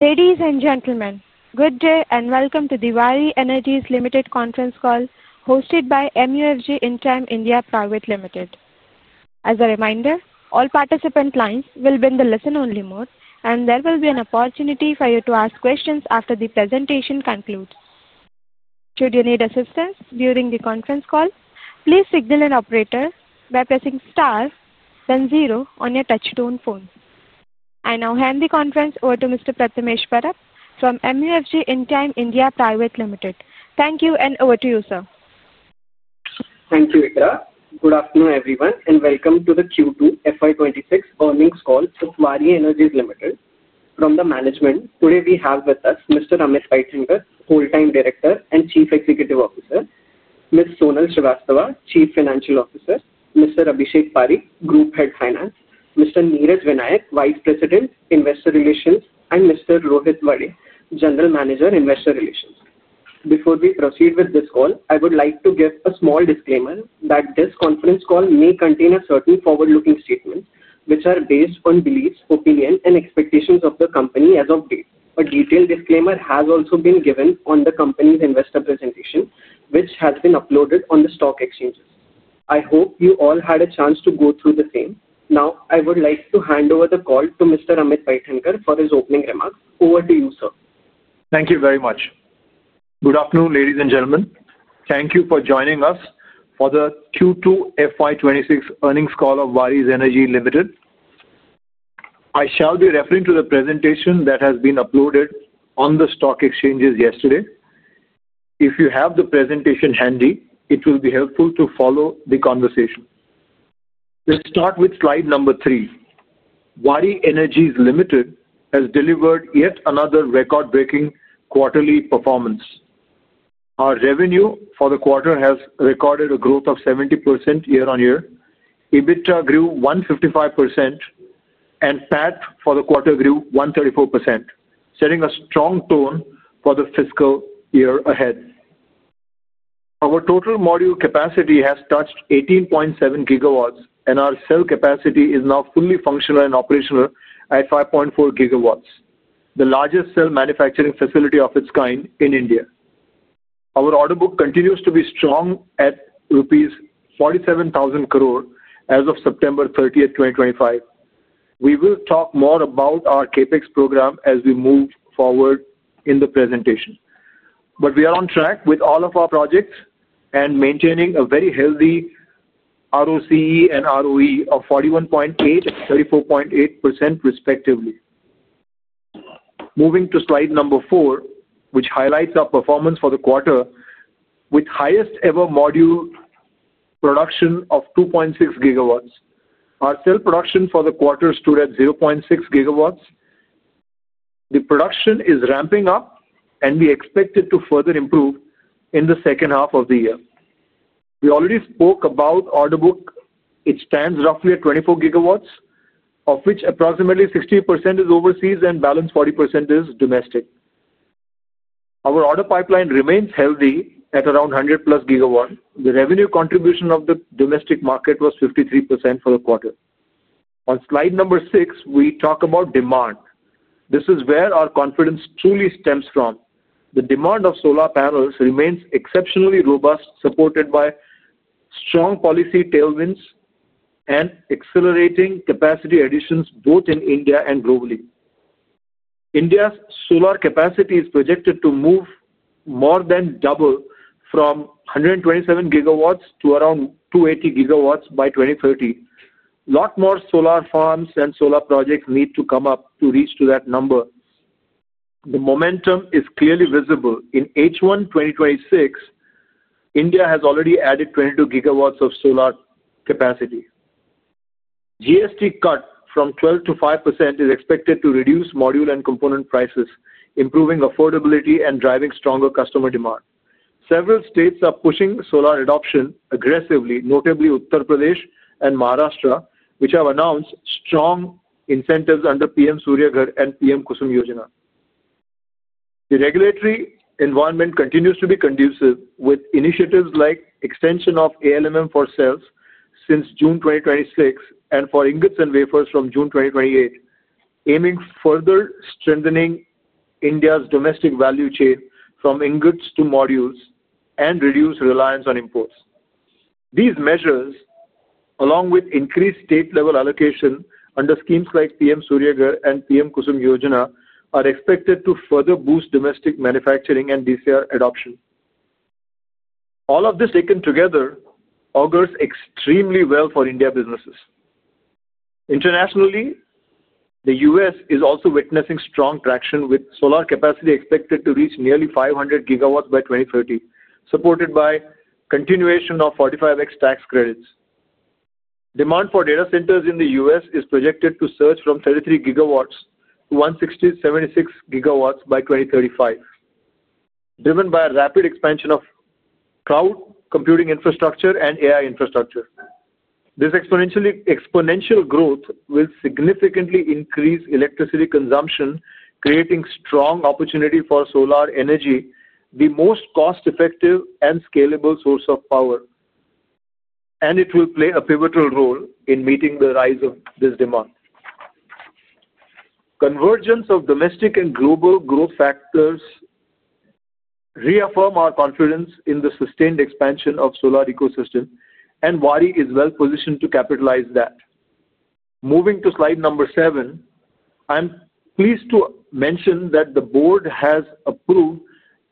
Ladies and gentlemen, good day and welcome to the Waaree Energies Limited Conference Call hosted by MUFG Intime India Private Limited. As a reminder, all participant lines will be in the listen-only mode, and there will be an opportunity for you to ask questions after the presentation concludes. Should you need assistance during the conference call, please signal an operator by pressing star, then zero on your touch-tone phone. I now hand the conference over to Mr. Prathamesh Parab from MUFG Intime India Private Limited. Thank you, and over to you, sir. Thank you, [Vikra]. Good afternoon, everyone, and welcome to the Q2 FY 2026 Earnings Call for Waaree Energies Limited. From the management, today we have with us, Mr. Amit Paithankar, Whole-Time Director and Chief Executive Officer, Ms. Sonal Shrivastava, Chief Financial Officer, Mr. Abhishek Pareek, Group Head Finance, Mr. Neeraj Vinayak, Vice President, Investor Relations, and Mr. Rohit Wade, General Manager, Investor Relations. Before we proceed with this call, I would like to give a small disclaimer that this conference call may contain certain forward-looking statements which are based on beliefs, opinions, and expectations of the company as of date. A detailed disclaimer has also been given on the company's investor presentation, which has been uploaded on the stock exchange. I hope you all had a chance to go through the same. Now, I would like to hand over the call to Mr. Amit Paithankar for his opening remarks. Over to you, sir. Thank you very much. Good afternoon, ladies and gentlemen. Thank you for joining us for the Q2 FY 2026 Earnings Call of Waaree Energies Limited. I shall be referring to the presentation that has been uploaded on the stock exchanges yesterday. If you have the presentation handy, it will be helpful to follow the conversation. Let's start with slide number three. Waaree Energies Limited has delivered yet another record-breaking quarterly performance. Our revenue for the quarter has recorded a growth of 70% year-on-year. EBITDA grew 155% and PAT for the quarter grew 134%, setting a strong tone for the fiscal year ahead. Our total module capacity has touched 18.7 GW, and our cell capacity is now fully functional and operational at 5.4 GW, the largest cell manufacturing facility of its kind in India. Our order book continues to be strong at rupees 47,000 crore as of September 30th, 2025. We will talk more about our CapEx program as we move forward in the presentation. We are on track with all of our projects and maintaining a very healthy ROCE and ROE of 41.8% and 34.8%, respectively. Moving to slide number four, which highlights our performance for the quarter, with the highest ever module production of 2.6 GW, our cell production for the quarter stood at 0.6 GW. The production is ramping up, and we expect it to further improve in the second half of the year. We already spoke about order book. It stands roughly at 24 GW, of which approximately 60% is overseas and the balance 40% is domestic. Our order pipeline remains healthy at around 100+ GW. The revenue contribution of the domestic market was 53% for the quarter. On slide number six, we talk about demand. This is where our confidence truly stems from. The demand of solar panels remains exceptionally robust, supported by strong policy tailwinds and accelerating capacity additions both in India and globally. India's solar capacity is projected to more than double, from 127 GW to around 280 GW by 2030. A lot more solar farms and solar projects need to come up to reach that number. The momentum is clearly visible. In H1 2026, India has already added 22 GW of solar capacity. GST cut from 12% to 5% is expected to reduce module and component prices, improving affordability and driving stronger customer demand. Several states are pushing solar adoption aggressively, notably Uttar Pradesh and Maharashtra, which have announced strong incentives under PM Surya Ghar and PM-KUSUM Yojana. The regulatory environment continues to be conducive, with initiatives like the extension of ALMM for cells since June 2026 and for ingots and wafers from June 2028, aiming further strengthening India's domestic value chain from ingots to modules and reduce reliance on imports. These measures, along with increased state-level allocation under schemes like PM Surya Ghar and PM-KUSUM Yojana are expected to further boost domestic manufacturing and DCR adoption. All of this taken together augurs extremely well for India businesses. Internationally, the U.S. is also witnessing strong traction, with solar capacity expected to reach nearly 500 GW by 2030, supported by the continuation of 45X tax credits. Demand for data centers in the U.S. is projected to surge from 33 GW-176 gigawatts by 2035, driven by a rapid expansion of cloud computing infrastructure and AI infrastructure. This exponential growth will significantly increase electricity consumption, creating a strong opportunity for solar energy, the most cost-effective and scalable source of power, and iIt will play a pivotal role in meeting the rise of this demand. Convergence of domestic and global growth factors reaffirm our confidence in the sustained expansion of the solar ecosystem, and Waaree is well-positioned to capitalize on that. Moving to slide number seven, I'm pleased to mention that the board has approved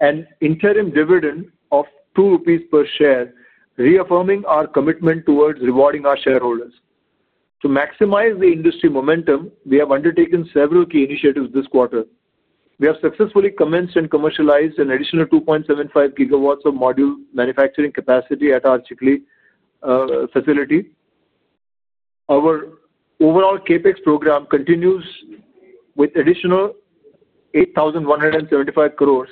an interim dividend of 2 rupees per share, reaffirming our commitment towards rewarding our shareholders. To maximize the industry momentum, we have undertaken several key initiatives this quarter. We have successfully commenced and commercialized an additional 2.75 GW of module manufacturing capacity at our Chikhli facility. Our overall CapEx program continues, with additional 8,175 crores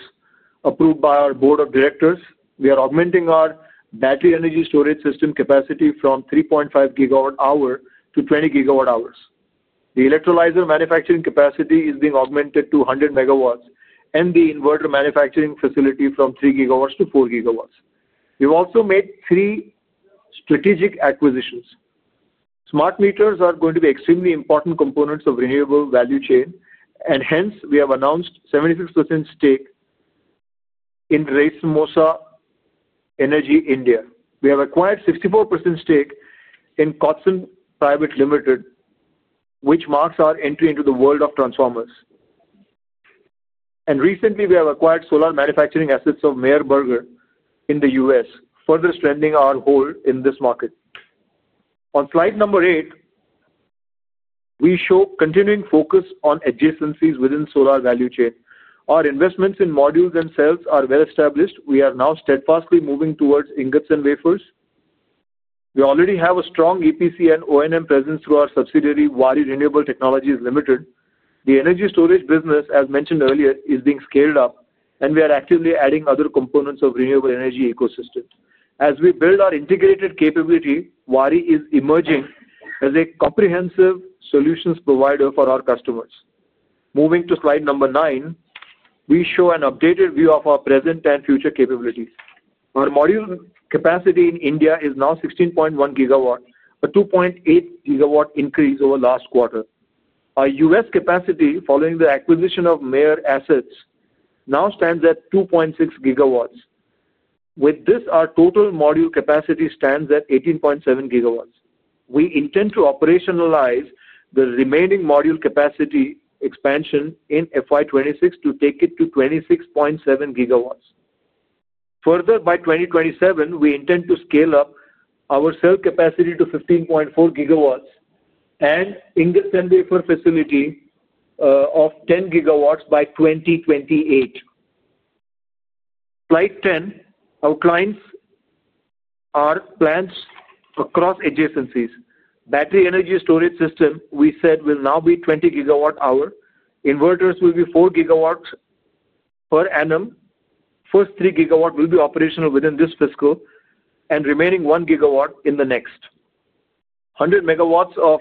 approved by our board of directors. We are augmenting our battery energy storage system capacity from 3.5 GW-hours to 20 GW-hours. The electrolyzer manufacturing capacity is being augmented to 100 MW, and the inverter manufacturing facility from 3 GW to 4 MW. We've also made three strategic acquisitions. Smart meters are going to be extremely important components of renewable value chain, and hence, we have announced a 76% stake in Racemosa Energy India. We have acquired a 64% stake in Kotsons Private Limited, which marks our entry into the world of transformers. Recently, we have acquired solar manufacturing assets of Meyer Burger in the U.S., further strengthening our hold in this market. On slide number eight, we show continuing focus on adjacencies within the solar value chain. Our investments in modules and cells are well established. We are now steadfastly moving towards ingots and wafers. We already have a strong EPC and O&M presence through our subsidiary, Waaree Renewable Technologies Limited. The energy storage business, as mentioned earlier, is being scaled up and we are actively adding other components of the renewable energy ecosystem. As we build our integrated capability, Waaree is emerging as a comprehensive solutions provider for our customers. Moving to slide number nine, we show an updated view of our present and future capabilities. Our module capacity in India is now 16.1 GW, a 2.8 GW increase over the last quarter. Our U.S. capacity, following the acquisition of Meyer assets, now stands at 2.6 GW. With this, our total module capacity stands at 18.7 GW. We intend to operationalize the remaining module capacity expansion in FY 2026 to take it to 26.7 GW. Further, by 2027, we intend to scale up our cell capacity to 15.4 GW, and the ingots and wafer facility of 10 GW by 2028. Slide 10 outlines our clients across adjacencies. Battery energy storage system, we said, will now be GW-hour. Inverters will be 4 GW per annum. First 3 GW will be operational within this fiscal, and the remaining 1 GW in the next. 100 MW of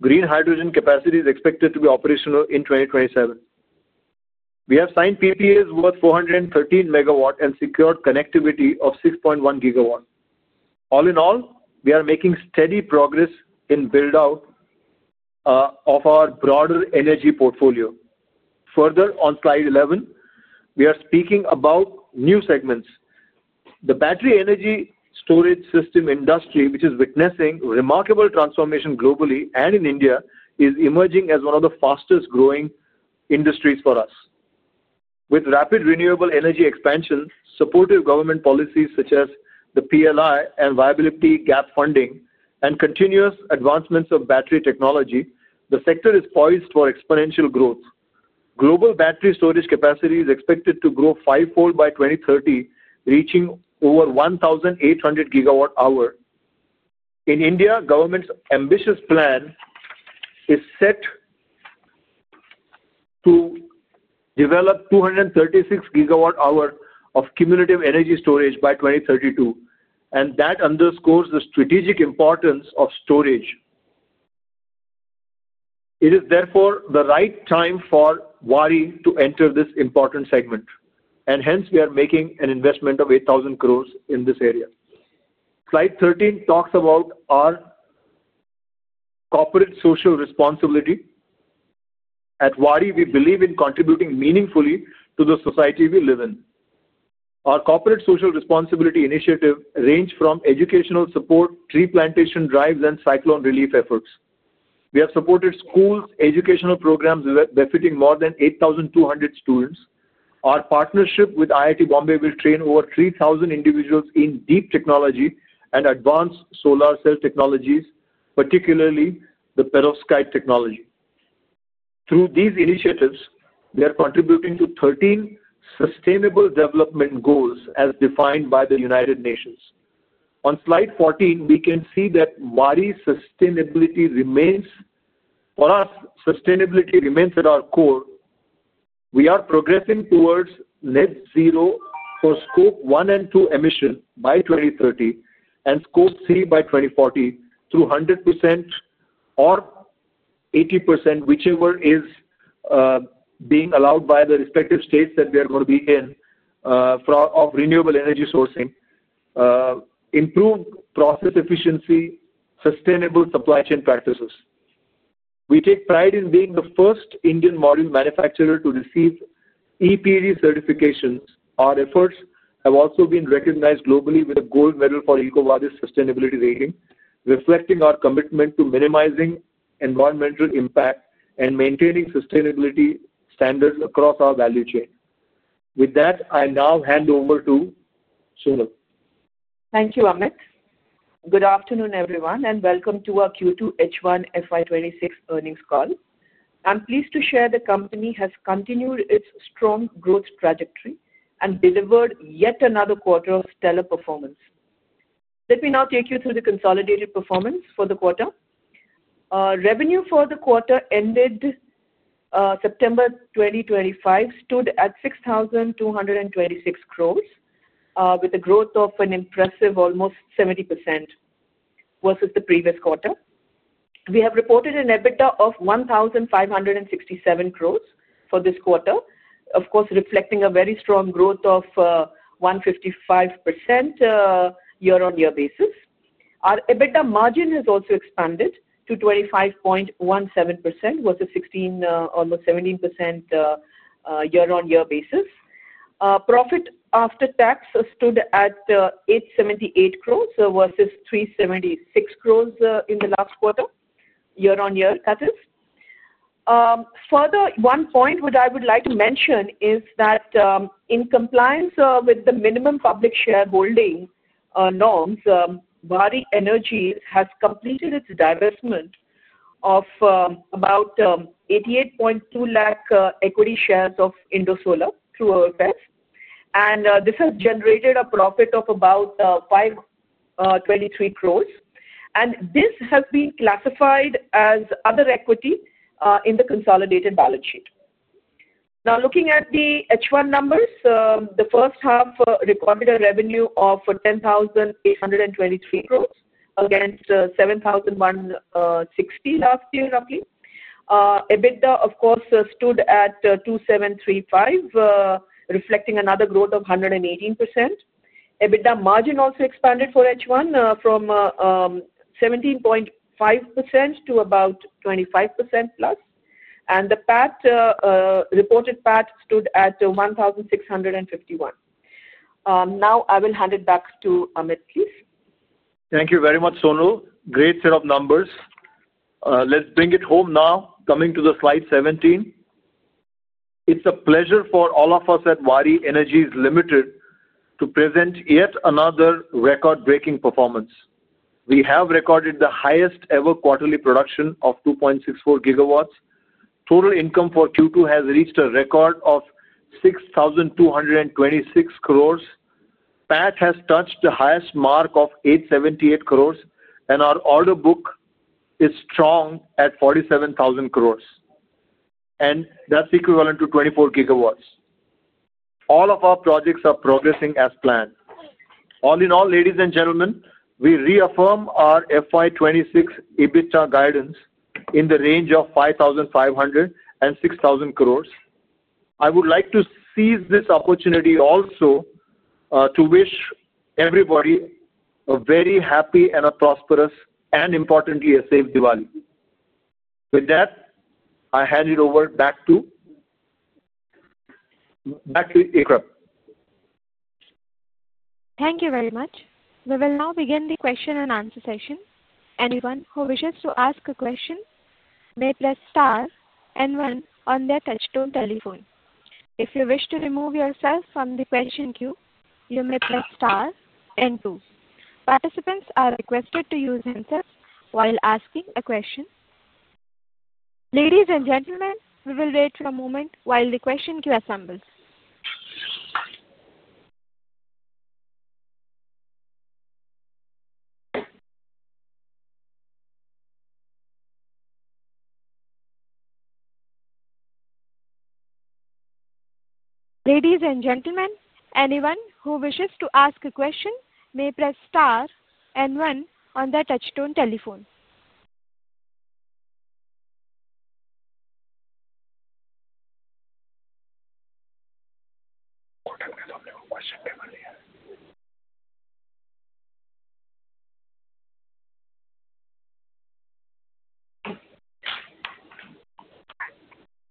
green hydrogen capacity is expected to be operational in 2027. We have signed PPAs worth 413 MW and secure,d connectivity of 6.1 GW. All in all, we are making steady progress in the build-out of our broader energy portfolio. Further, on slide 11, we are speaking about new segments. The battery energy storage system industry, which is witnessing remarkable transformation globally and in India, is emerging as one of the fastest-growing industries for us. With rapid renewable energy expansion, supportive government policies such as the PLI and Viability Gap Funding, and continuous advancements of battery technology, the sector is poised for exponential growth. Global battery storage capacity is expected to grow five-fold by 2030, reaching over 1,800 GW-hour. In India, the government's ambitious plan is set to develop 236 GW-hours of cumulative energy storage by 2032, and that underscores the strategic importance of storage. It is therefore the right time for Waaree to enter this important segment, and hence, we are making an investment of 8,000 crores in this area. Slide 13 talks about our corporate social responsibility. At Waaree, we believe in contributing meaningfully to the society we live in. Our corporate social responsibility initiatives range from educational support, tree plantation drives, and cyclone relief efforts. We have supported schools' educational programs benefiting more than 8,200 students. Our partnership with IIT Bombay will train over 3,000 individuals in deep technology and advanced solar cell technologies, particularly the perovskite technology. Through these initiatives, we are contributing to 13 sustainable development goals as defined by the United Nations. On slide 14, we can see that Waaree's sustainability remains at our core. We are progressing towards net zero for scope 1 and 2 emissions by 2030, and scope 3 by 2040 through 100% or 80%, whichever is being allowed by the respective states that we are going to be in for renewable energy sourcing, improved process efficiency, and sustainable supply chain practices. We take pride in being the first Indian module manufacturer to receive EPD certifications. Our efforts have also been recognized globally with a gold medal for EcoVadis Sustainability Rating, reflecting our commitment to minimizing environmental impact and maintaining sustainability standards across our value chain. With that, I now hand over to Sonal. Thank you, Amit. Good afternoon, everyone, and welcome to our Q2 H1 FY 2026 Earnings Call. I'm pleased to share that the company has continued its strong growth trajectory, and delivered yet another quarter of stellar performance. Let me now take you through the consolidated performance for the quarter. Revenue for the quarter ended September 2025 stood at 6,226 crores, with a growth of an impressive almost 70% versus the previous quarter. We have reported an EBITDA of 1,567 crores for this quarter, of course reflecting a very strong growth of 155% year-on-year basis. Our EBITDA margin has also expanded to 25.17% versus almost 17% year-on-year basis. Profit after tax stood at 878 crores versus 376 crores in the last quarter, year-on-year. Further, one point that I would like to mention is that, in compliance with the minimum public shareholding norms, Waaree Energies has completed its divestment of about 8.82 [lakh] equity shares of Indosolar through OFS. This has generated a profit of about 523 crores, and this has been classified as other equity in the consolidated balance sheet. Now, looking at the H1 numbers, so the first half recorded a revenue of 10,823 crores, against 7,160 crores last year roughly. EBITDA of course stood at 2,735 crores, reflecting another growth of 118%. EBITDA margin also expanded for H1, from 17.5% to about 25%+, and the reported PAT stood at 1,651 crores. Now, I will hand it back to Amit, please. Thank you very much, Sonal. Great set of numbers. Let's bring it home now. Coming to slide 17, it's a pleasure for all of us at Waaree Energies Limited to present yet another record-breaking performance. We have recorded the highest ever quarterly production of 2.64 GW. Total income for Q2 has reached a record of 6,226 crores. PAT has touched the highest mark of 878 crores, and our order book is strong at 47,000 crores and that's equivalent to 24 GW. All of our projects are progressing as planned. All in all, ladies and gentlemen, we reaffirm our FY 2026 EBITDA guidance in the range of 5,500 crores and 6,000 crores. I would like to seize this opportunity also to wish everybody a very happy and a prosperous, and importantly, a safe Diwali. With that, I hand it over back to. Thank you very much. We will now begin the question-and-answer session. Anyone who wishes to ask a question may press star and one on their touch-tone telephone. If you wish to remove yourself from the question queue, you may press star and two. Participants are requested to use handsets while asking a question. Ladies and gentlemen, we will wait for a moment while the question queue assembles. Ladies and gentlemen, anyone who wishes to ask a question may press star and one on their touch-tone telephone.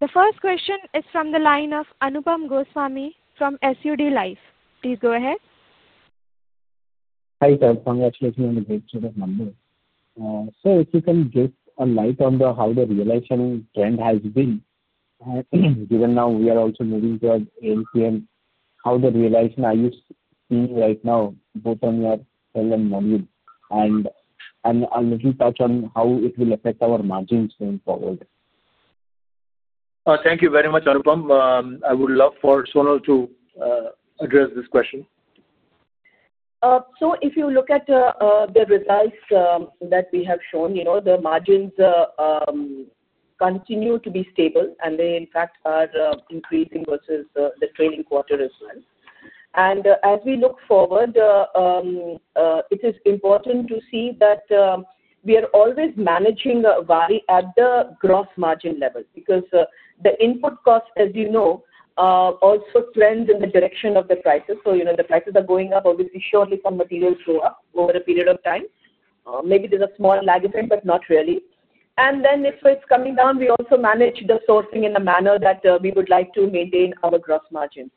The first question is from the line of Anupam Goswami from SUD Life. Please go ahead. Hi, sir. Congratulations on the great numbers. Sir, if you can give a light on how the realization trend has been, given now we are also moving towards [ALMM], how the realization are you seeing right now both from your ALMM module, and a little touch on how it will affect our margins going forward? Thank you very much, Anupam. I would love for Sonal to address this question. If you look at the results that we have shown, the margins continue to be stable, and they in fact are increasing versus the trailing quarter as well. As we look forward, it is important to see that we are always managing Waaree at the gross margin level, because the input cost, as you know, also trends in the direction of the prices. When the prices are going up obviously surely some materials go up over a period of time. Maybe there's a small lag effect, but not really. If it's coming down, we also manage the sourcing in a manner that we would like to maintain our gross margins.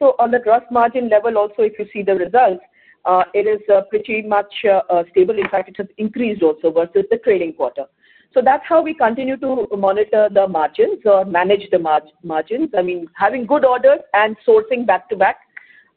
On the gross margin level also, if you see the results, it is pretty much stable. In fact, it has increased also versus the trailing quarter. That's how we continue to monitor the margins or manage the margins. I mean, having good orders and sourcing back to back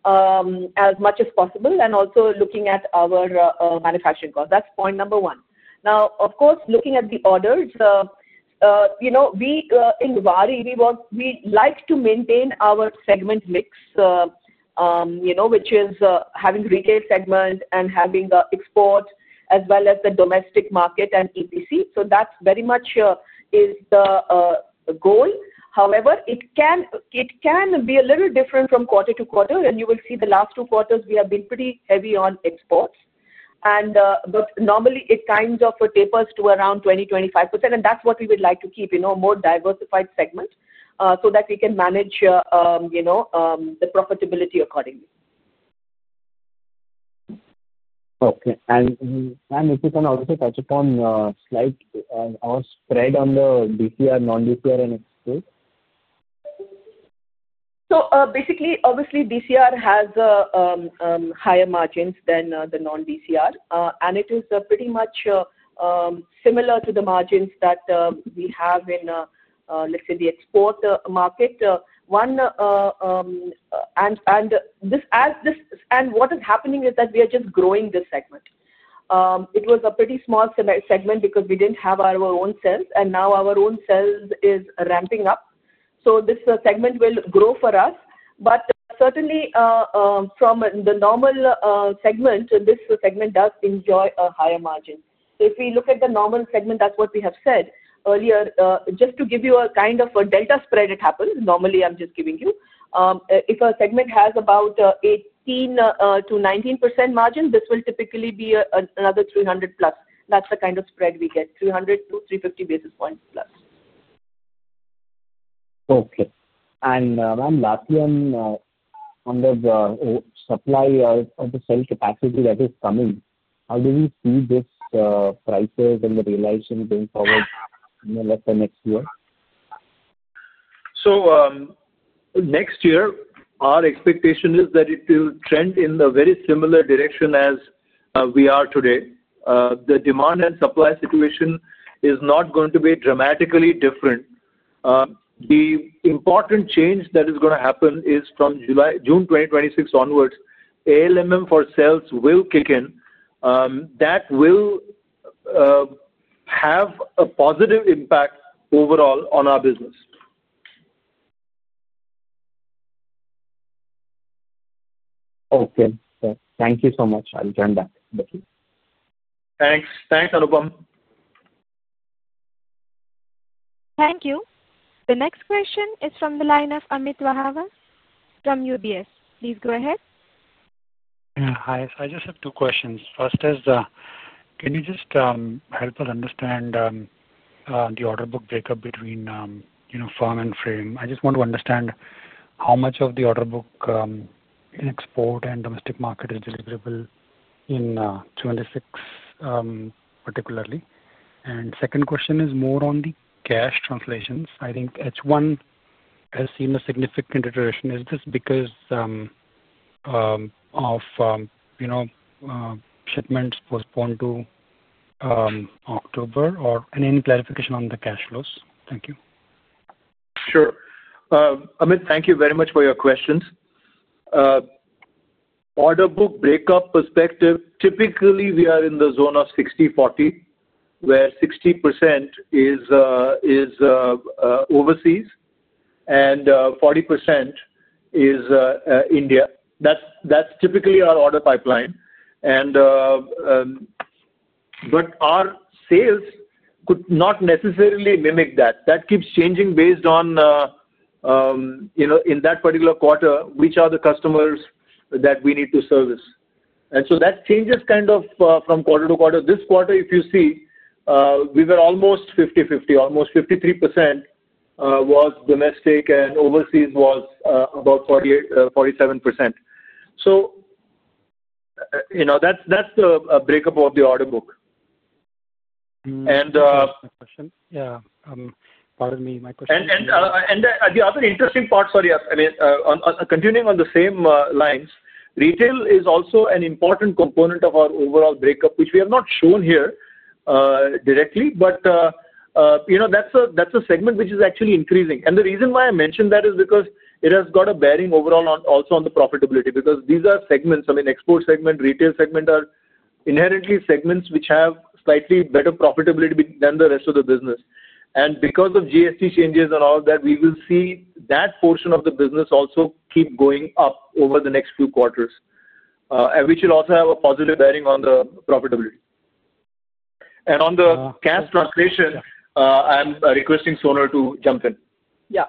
as much as possible, and also looking at our manufacturing costs. That's point number one. Now, of course, looking at the orders, we in Waaree, we like to maintain our segment mix, which is having retail segment and having the export, as well as the domestic market and EPC. That very much is the goal. However, it can be a little different from quarter to quarter, and you will see the last two quarters, we have been pretty heavy on exports. Normally, it kind of tapers to around 20%, 25% and that's what we would like to keep, a more diversified segment, so that we can manage the profitability accordingly. Okay. If you can also touch upon our spread on the DCR, non-DCR, and export. Basically, obviously, DCR has higher margins than the non-DCR, and it is pretty much similar to the margins that we have in, let's say, the export market. What is happening is that we are just growing this segment. It was a pretty small segment because we didn't have our own cells, and now our own cells are ramping up. This segment will grow for us. Certainly, from the normal segment, this segment does enjoy a higher margin. If we look at the normal segment, that's what we have said earlier, just to give you a kind of a delta spread, it happens normally, I'm just giving you. If a segment has about 18%-19% margin, this will typically be another 300+. That's the kind of spread we get, 300-350+ basis points. Okay. under the supply of the cell capacity that is coming, how do you see these prices and the realization going forward, let's say next year? Next year, our expectation is that it will trend in a very similar direction as we are today. The demand and supply situation is not going to be dramatically different. The important change that is going to happen is from June 2026 onwards. ALMM for cells will kick in. That will have a positive impact overall on our business. Okay, thank you so much. I'll turn it back. Thank you. Thanks. Thanks, Anupam. Thank you. The next question is from the line of Amit from UBS. Please go ahead. Hi. I just have two questions. First, can you just help us understand the order book breakup between farm and frame? I just want to understand how much of the order book in export and domestic market is deliverable in 2026 particularly. The second question is more on the cash translations. I think H1 has seen a significant iteration. Is this because of shipments postponed to October? Any clarification on the cash flows? Thank you. Sure. Amit, thank you very much for your questions. Order book breakup perspective, typically, we are in the zone of 60-40, where 60% is overseas and 40% is India. That's typically our order pipeline. Our sales could not necessarily mimic that. That keeps changing based on, you know, in that particular quarter, which are the customers that we need to service? That changes kind of from quarter to quarter. This quarter, if you see, we were almost 50-50. Almost 53% was domestic, and overseas was about 47%. You know, that's the breakup of the order book. Can I ask a question? Yeah, pardon me, my question was The other interesting part, sorry, Amit, continuing on the same lines, retail is also an important component of our overall breakup, which we have not shown here directly. You know, that's a segment which is actually increasing. The reason why I mentioned that is because it has got a bearing overall also on the profitability, because these are segments. I mean, export segment, retail segment are inherently segments which have slightly better profitability than the rest of the business, and because of GST changes and all of that we will see, that portion of the business also keep going up over the next few quarters, which will also have a positive bearing on the profitability. On the cash translation, I'm requesting Sonal to jump in. Yeah.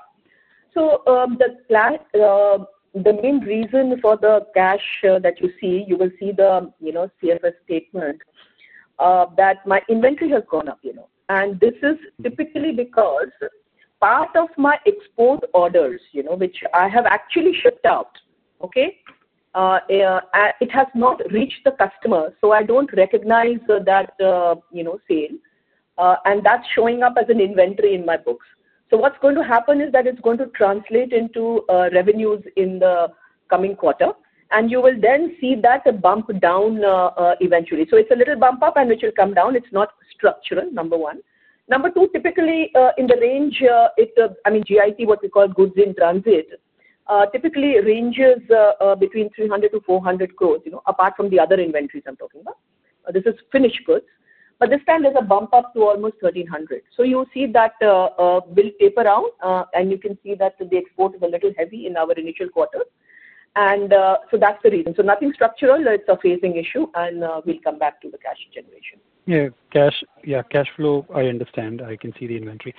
The main reason for the cash that you see, you will see the CFS statement, that my inventory has gone up. This is typically because part of my export orders, which I have actually shipped out, it has not reached the customer. I don't recognize that sale, and that's showing up as an inventory in my books. What's going to happen is that it's going to translate into revenues in the coming quarter, and you will then see that bump down eventually. It's a little bump up, which will come down. It's not structural, number one. Number two, typically in the range, I mean, GIT, what we call goods in transit, typically ranges between 300- crores-INR 400 crore, apart from the other inventories I'm talking about. This is finished goods, but this time there's a bump up to almost 1,300 crore. You see that will taper out, and you can see that the export is a little heavy in our initial quarter. That's the reason. Nothing structural. It's a phasing issue, and we'll come back to the cash generation. Yeah. Cash flow, I understand. I can see the inventory.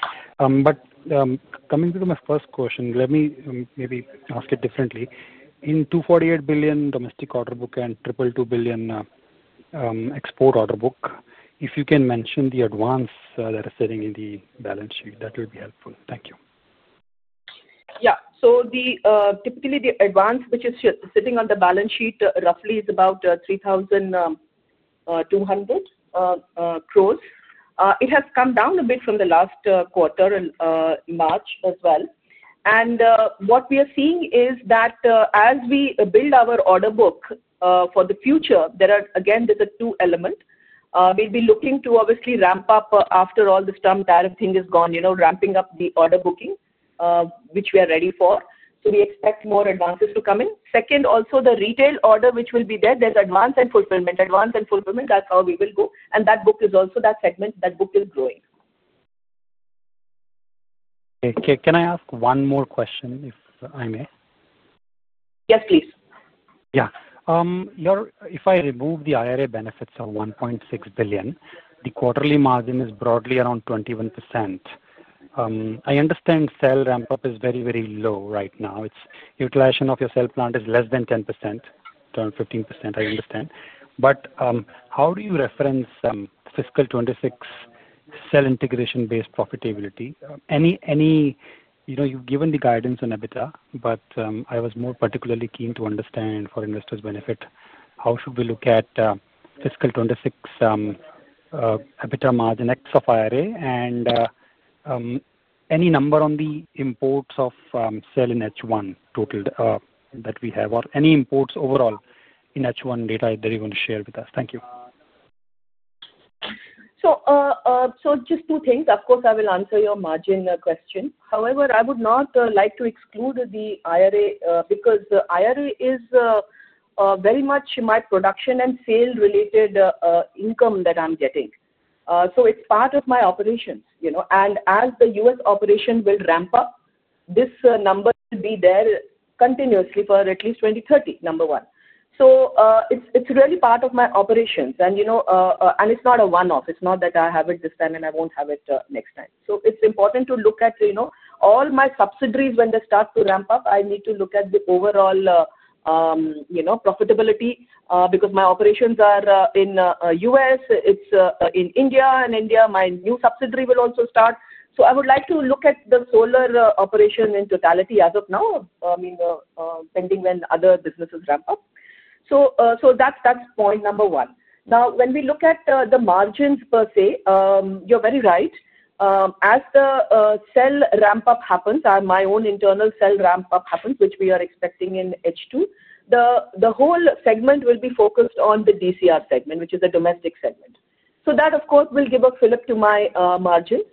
Coming to my first question, let me maybe ask it differently. In 248 billion domestic order book and $222 billion export order book, if you can mention the advance that is sitting in the balance sheet, that would be helpful. Thank you. Yeah. Typically, the advance which is sitting on the balance sheet, roughly is about 3,200 crore. It has come down a bit from the last quarter in March as well. What we are seeing is that as we build our order book for the future, again, there are two element. We will be looking to obviously ramp up after all the storm and [everything] is gone, ramping up the order booking, which we are ready for. We expect more advances to come in. Second, also the retail order which will be there, there's advance and fulfillment. Advance and fulfillment, that's how we will go. That book is also that segment. That book is growing. Okay. Can I ask one more question, if I may? Yes, please. Yeah. If I remove the IRA benefits of $1.6 billion, the quarterly margin is broadly around 21%. I understand cell ramp-up is very, very low right now. Utilization of your cell plant is less than 10%, around 15%, I understand. How do you reference fiscal 2026 cell integration-based profitability? You know, you've given the guidance on EBITDA, but I was more particularly keen to understand for investors' benefit, how should we look at fiscal 2026 EBITDA margin, [excluding] IRA? Any number on the imports of cell in H1 total that we have, or any imports overall in H1 data that you're going to share with us? Thank you. Just two things. Of course, I will answer your margin question. However, I would not like to exclude the IRA, because the IRA is very much my production and sale-related income that I'm getting. It's part of my operations. As the U.S. operation will ramp up, this number will be there continuously for at least 2030, number one. It's really part of my operations, and it's not a one-off. It's not that I have it this time and I won't have it next time. It's important to look at all my subsidiaries when they start to ramp up. I need to look at the overall profitability because my operations are in the U.S., it's in India. In India, my new subsidiary will also start. I would like to look at the solar operation in totality as of now, pending when other businesses ramp up. That's point number one. Now, when we look at the margins per se, you're very right. As the cell ramp-up happens and my own internal cell ramp-up happens, which we are expecting in H2, the whole segment will be focused on the DCR segment, which is a domestic segment. That of course will give a fill-up to my margins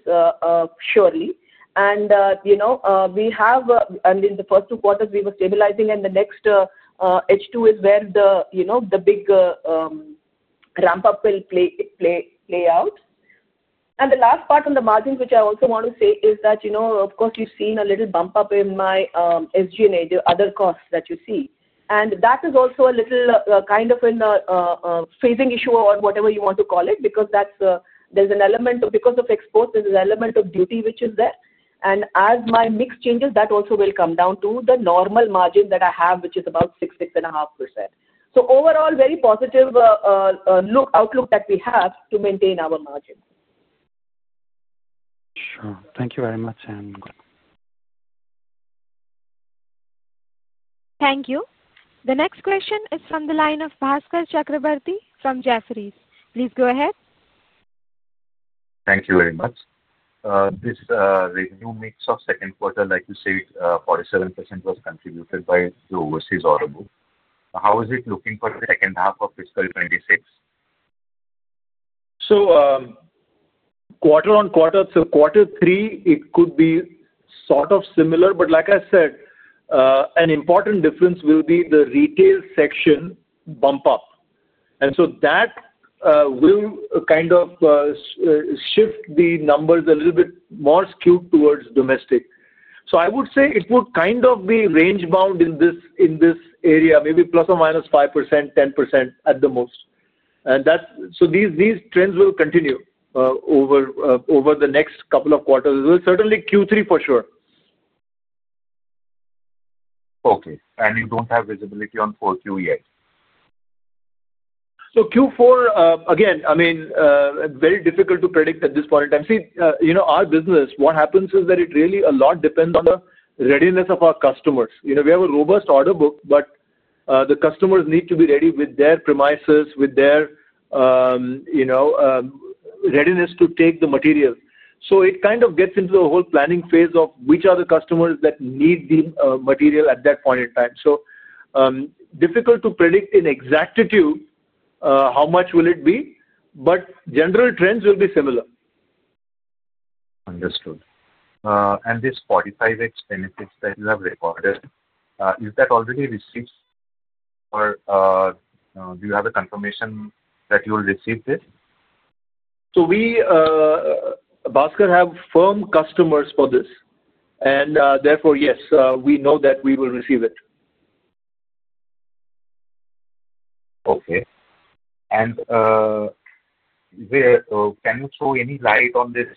surely. In the first two quarters, we were stabilizing, and the next H2 is where the big ramp-up will play out. The last part on the margins, which I also want to say, is that you've seen a little bump up in my SG&A, the other costs that you see. That is also a little kind of a phasing issue or whatever you want to call it, because of exports, there's an element of duty which is there. As my mix changes, that also will come down to the normal margin that I have, which is about 6%-6.5%. Overall, very positive outlook that we have to maintain our margin. Sure. Thank you very much, Amit. Thank you. The next question is from the line of [Pashkar Chakraborty from Jasarees]. Please go ahead. Thank you very much. This is a renewal mix of second quarter. Like you said, 47% was contributed by the overseas order book. How is it looking for the second half of fiscal 2026? Quarter-on-quarter, so quarter three could be sort of similar. Like I said, an important difference will be the retail section bump up, and so that will kind of shift the numbers a little bit, more skewed towards domestic. I would say it would kind of be range-bound in this area, maybe ±5%, 10% at the most. These trends will continue over the next couple of quarters. It will certainly in Q3 for sure. Okay. You don't have visibility on four Q yet? Q4, again, I mean, very difficult to predict at this point in time. You know, our business, what happens is that really a lot depends on the readiness of our customers. We have a robust order book, but the customers need to be ready with their premises, with their readiness to take the material. It kind of gets into the whole planning phase of, which are the customers that need the material at that point in time? Difficult to predict in exactitude, how much will it be? General trends will be similar. Understood. This 45X benefits that you have recorded, is that already received or do you have a confirmation that you will receive this? We have firm customers for this, and therefore, yes, we know that we will receive it. Okay. Can you [show] any light on this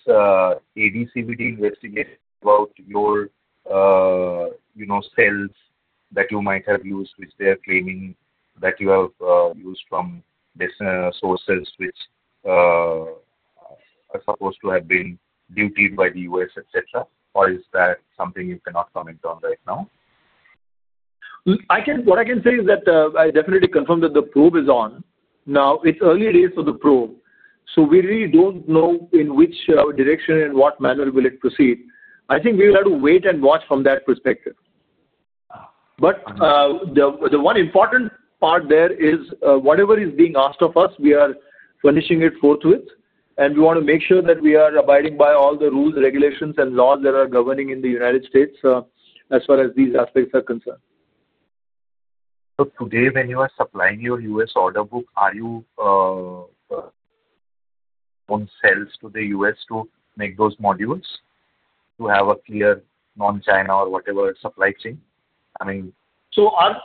ABCVD investigation about your, you know, cells that you might have used, which they are claiming that you have used from business sources, which are supposed to have been duty by the U.S., etc. or is that something you cannot comment on right now? What I can say is that, I definitely confirm that the probe is on. Now, it's early days for the probe, so we really don't know in which direction and what manner will it proceed? I think we will have to wait and watch from that perspective. The one important part there is, whatever is being asked of us, we are furnishing it forthwith. We want to make sure that we are abiding by all the rules, regulations, and laws that are governing in the United States, as far as these aspects are concerned. Today, when you are supplying your U.S. order book, are you on sales to the U.S. to make those modules, to have a clear non-China or whatever supply chain? Our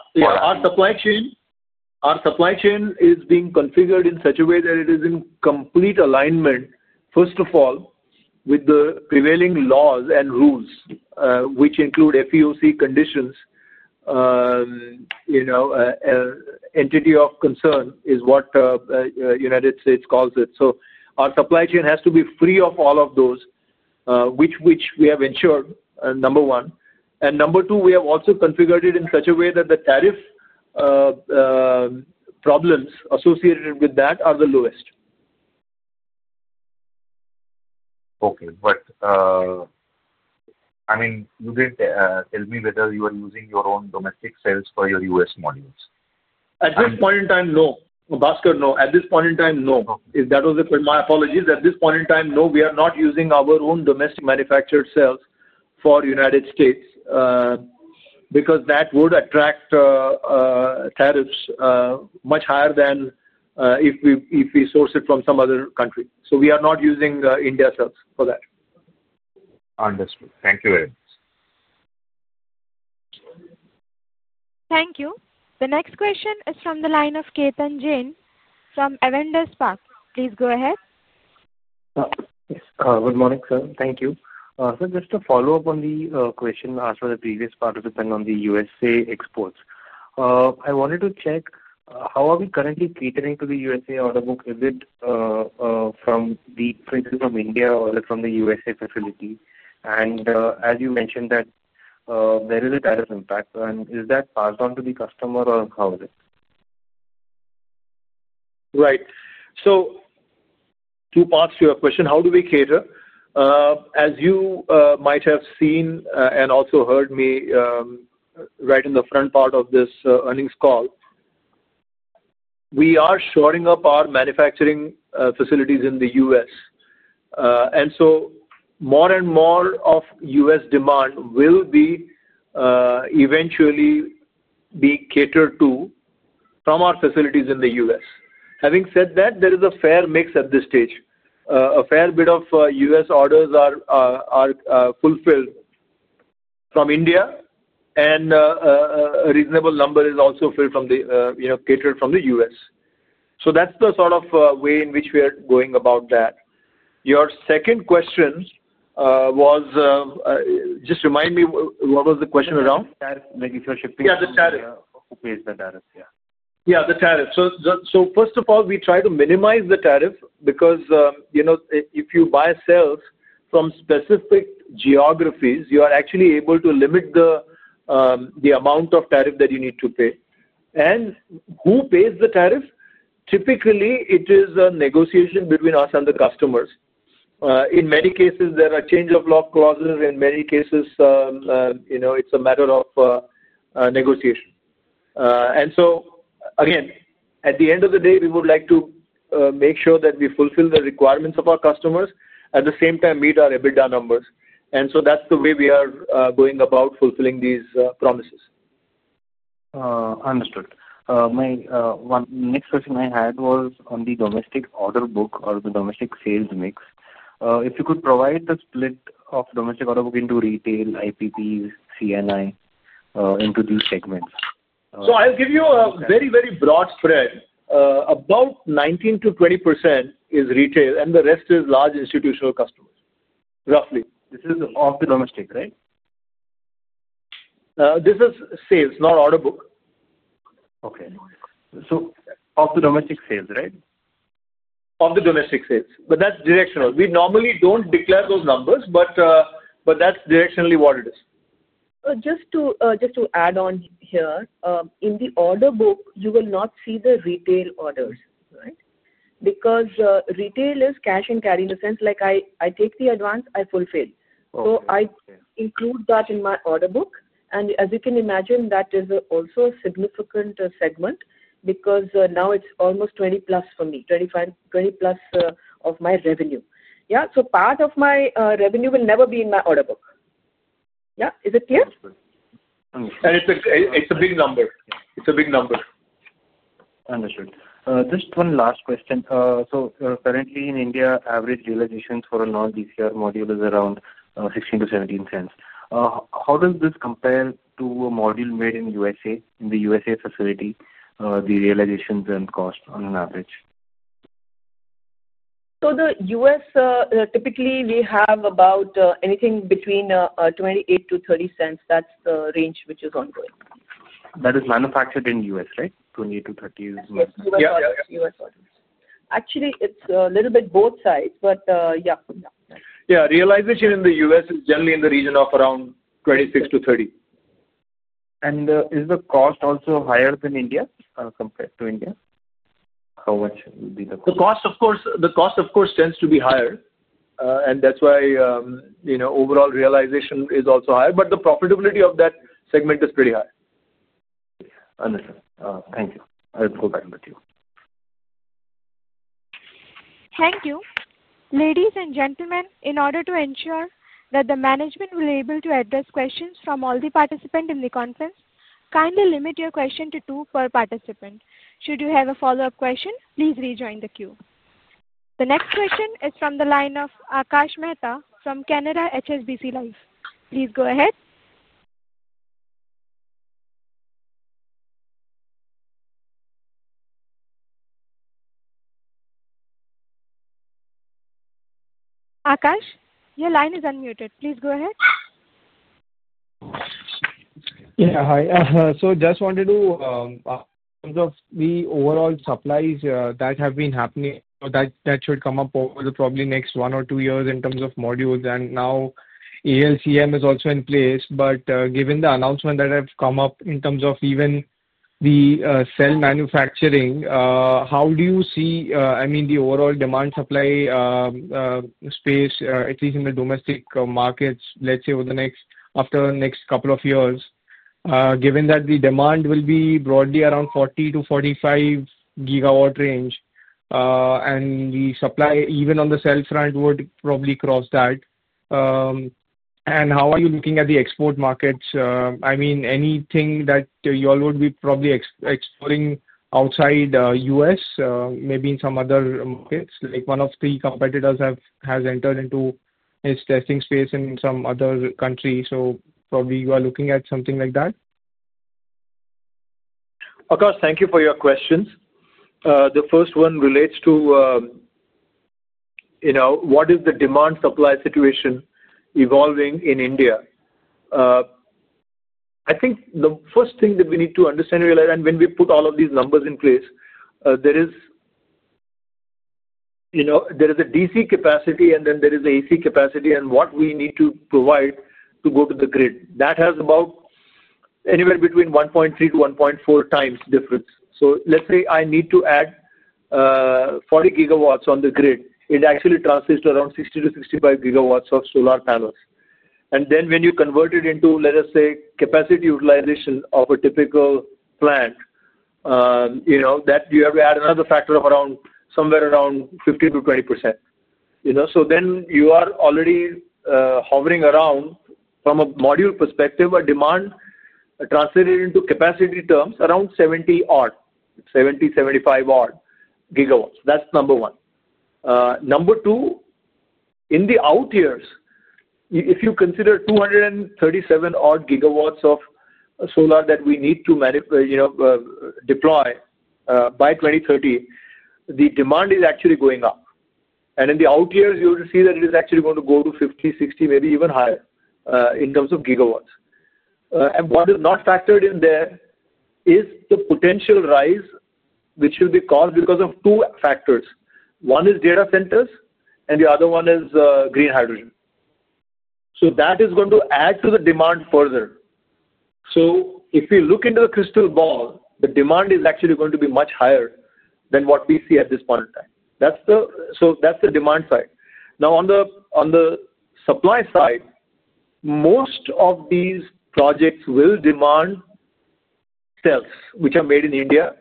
supply chain is being configured in such a way that it is in complete alignment, first of all, with the prevailing laws and rules, which include FEOC conditions, entity of concern is what the United States calls it. Our supply chain has to be free of all of those, which we have ensured, number one. Number two, we have also configured it in such a way that the tariff problems associated with that are the lowest. Okay, great. I mean, you didn't tell me whether you are using your own domestic cells for your U.S. modules. At this point in time, no. [Pashkar], no. At this point in time, no. My apologies. At this point in time, no, we are not using our own domestic manufactured cells for the United States, because that would attract tariffs much higher than if we source it from some other country. We are not using India cells for that. Understood. Thank you very much. Thank you. The next question is from the line of Ketan Jain from Avendus Spark. Please go ahead. Yes. Good morning, sir. Thank you. Just to follow up on the question asked by the previous participant on the U.S.A. exports, I wanted to check, how are we currently catering to the U.S.A. order book? Is it from the [plant] from India or is it from the U.S.A. facility? As you mentioned, that there is a tariff impact, is that passed on to the customer or how is it? Right. Two parts to your question. How do we cater? As you might have seen and also heard me in the front part of this earnings call, we are shoring up our manufacturing facilities in the U.S., and so more and more of U.S. demand will eventually be catered to from our facilities in the U.S. Having said that, there is a fair mix at this stage. A fair bit of U.S. orders are fulfilled from India, and a reasonable number is also catered from the U.S. That's the sort of way in which we are going about that. Your second question, just remind me, what was the question around? The tariff, maybe if you're shipping. Yeah, the tariff. Who pays the tariff? Yeah. Yeah, the tariff. First of all, we try to minimize the tariff because you know, if you buy cells from specific geographies, you are actually able to limit the amount of tariff that you need to pay. Who pays the tariff? Typically, it is a negotiation between us and the customers. In many cases, there are change of law clauses. In many cases, you know it's a matter of negotiation. Again, at the end of the day, we would like to make sure that we fulfill the requirements of our customers, at the same time meet our EBITDA numbers. That's the way we are going about fulfilling these promises. Understood. The next question I had was on the domestic order book or the domestic sales mix. If you could provide the split of domestic order book into retail, IPPs, CNI into these segments. I'll give you a very, very broad spread. About 19%-20% is retail, and the rest is large institutional customers, roughly. This is of the domestic, right? This is sales, not order book. Okay, so of the domestic sales, right? Of the domestic sales, but that's directional. We normally don't declare those numbers, but that's directionally what it is. Just to add on here, in the order book, you will not see the retail orders, right? Retail is cash and carry in the sense like I take the advance, I fulfill. I include that in my order book. As you can imagine, that is also a significant segment because now it's almost 20%+ for me, 20%+ of my revenue. Part of my revenue will never be in my order book. Is it clear? Understood. It's a big number. Understood. Just one last question. Currently in India, average realizations for a non-DCR module is around $0.16-$0.17. How does this compare to a module made in the U.S. facility, the realizations and cost on an average? In the U.S., typically, we have about anything between $0.28-$0.30. That's the range which is ongoing. That is manufactured in the U.S., 20-30 U.S. orders? Yes. U.S. orders. Actually, it's a little bit both sides, but yeah. Yeah, realization in the U.S. is generally in the region of around 26-30. Is the cost also higher than India or compared to India, how much would be the cost? The cost of course tends to be higher. That's why, you know, overall realization is also higher, but the profitability of that segment is pretty high. Understood. Thank you. I'll go back to the queue. Thank you. Ladies and gentlemen, in order to ensure that the management will be able to address questions from all the participants in the conference, kindly limit your question to two per participant. Should you have a follow-up question, please rejoin the queue. The next question is from the line of Akash Mehta from Canara HSBC Life. Please go ahead. Akash, your line is unmuted. Please go ahead. Yeah. Hi. I just wanted to, in terms of the overall supplies that have been happening or that should come up over the probably next one or two years in terms of modules and now ALCM is also in place. Given the announcements that have come up in terms of even the cell manufacturing, how do you see the overall demand supply space, at least in the domestic markets, let's say after the next couple of years, given that the demand will be broadly around 40 GW-45 GW range and the supply even on the cell front would probably cross that? How are you looking at the export markets? Anything that you all would be probably exploring outside the U.S., maybe in some other markets? Like one of three competitors has entered into its testing space in some other country, so probably you are looking at something like that? Akash, thank you for your questions. The first one relates to, you know, what is the demand-supply situation evolving in India? I think the first thing that we need to understand, and when we put all of these numbers in place, there is a DC capacity and then there is an AC capacity, and what we need to provide to go to the grid. That has about anywhere between 1.3x-1.4x difference. Let's say I need to add 40 GW on the grid, it actually translates to around 60 GW-65 GW of solar panels. When you convert it into, let us say, capacity utilization of a typical plant, you have to add another factor of somewhere around 15%-20%. You are already hovering around from a module perspective, a demand translated into capacity terms, around 70-odd, 75 odd GW. That's number one. Number two, in the out years, if you consider 237 odd GW of solar that we need to deploy by 2030, the demand is actually going up. In the out years, you will see that it is actually going to go to 50, 60, maybe even higher in terms of gigawatts. What is not factored in there is the potential rise which will be caused because of two factors. One is data centers, and the other one is green hydrogen. That is going to add to the demand further. If we look into the crystal ball, the demand is actually going to be much higher than what we see at this point in time. That's the demand side. Now, on the supply side, most of these projects will demand cells, which are made in India,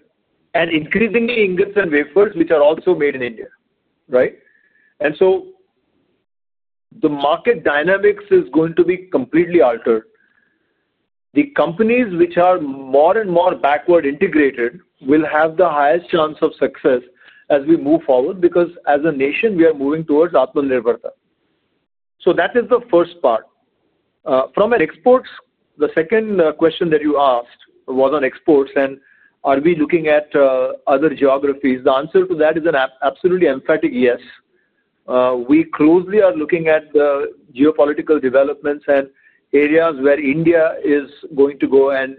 and increasingly ingots and wafers, which are also made in India, right? The market dynamics is going to be completely altered. The companies which are more and more backward integrated will have the highest chance of success as we move forward, because as a nation, we are moving towards Atmanirbharta. That is the first part. From our exports, the second question that you asked was on exports, and are we looking at other geographies? The answer to that is an absolutely emphatic yes. We closely are looking at the geopolitical developments and areas where India is going to go and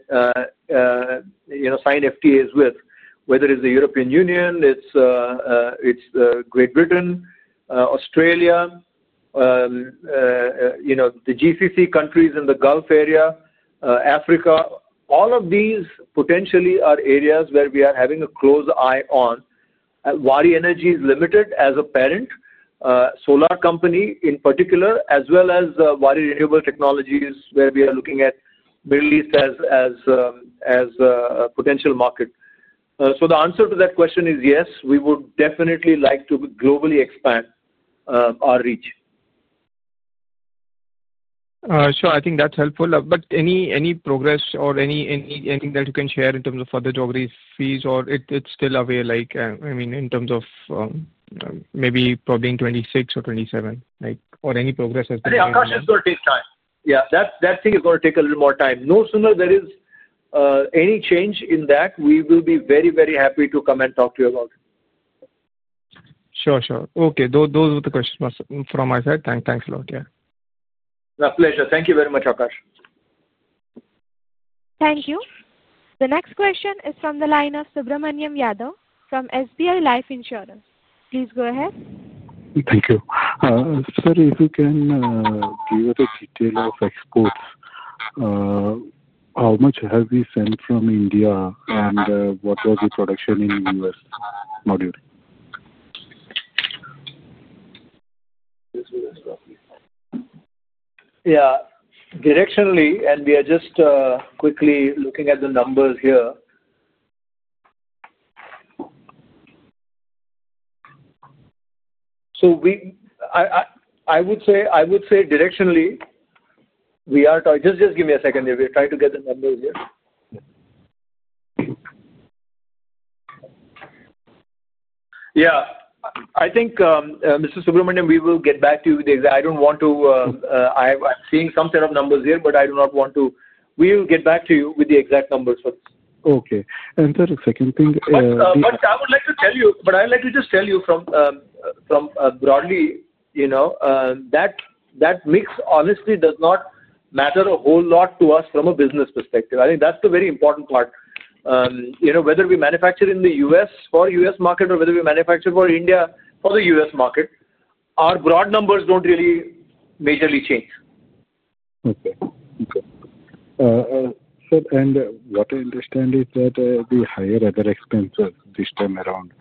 sign FTAs with, whether it's the European Union, it's Great Britain, Australia, the GCC countries in the Gulf area, Africa. All of these potentially are areas where we are having a close eye on. Waaree Energies Limited as a parent solar company in particular, as well as the Waaree Renewable Technologies, where we are looking at Middle East as a potential market, the answer to that question is yes. We would definitely like to globally expand our reach. Sure, I think that's helpful. Any progress or anything that you can share in terms of other geographies, or it's still a way like, I mean, in terms of maybe probably in 2026 or 2027, or any progress has been made. Ye, ah. Akash, it's going to take time. That thing is going to take a little more time. No sooner there is any change in that, we will be very, very happy to come and talk to you about it. Sure, okay. Those were the questions from my side. Thanks a lot, yeah. My pleasure. Thank you very much, Akash. Thank you. The next question is from the line of Subramaniam Yadav from SBI Life Insurance. Please go ahead. Thank you. Sir, if you can give us a detail of exports, how much have we sent from India, and what was the production in the U.S. module? Yeah. We are just quickly looking at the numbers here. I would say directionally, just give me a second here. We're trying to get the numbers here. I think, Mr. Subramaniam, we will get back to you with the exact. I'm seeing some set of numbers here, but we will get back to you with the exact numbers for this. Okay. Sir, a second thing. I would like to just tell you broadly, you know, that mix honestly does not matter a whole lot to us from a business perspective. I think that's the very important part. You know, whether we manufacture in the U.S. for U.S. market, or whether we manufacture for India for the U.S. market, our broad numbers don't really majorly change. Okay. Sir, what I understand is that the higher other expenses this time around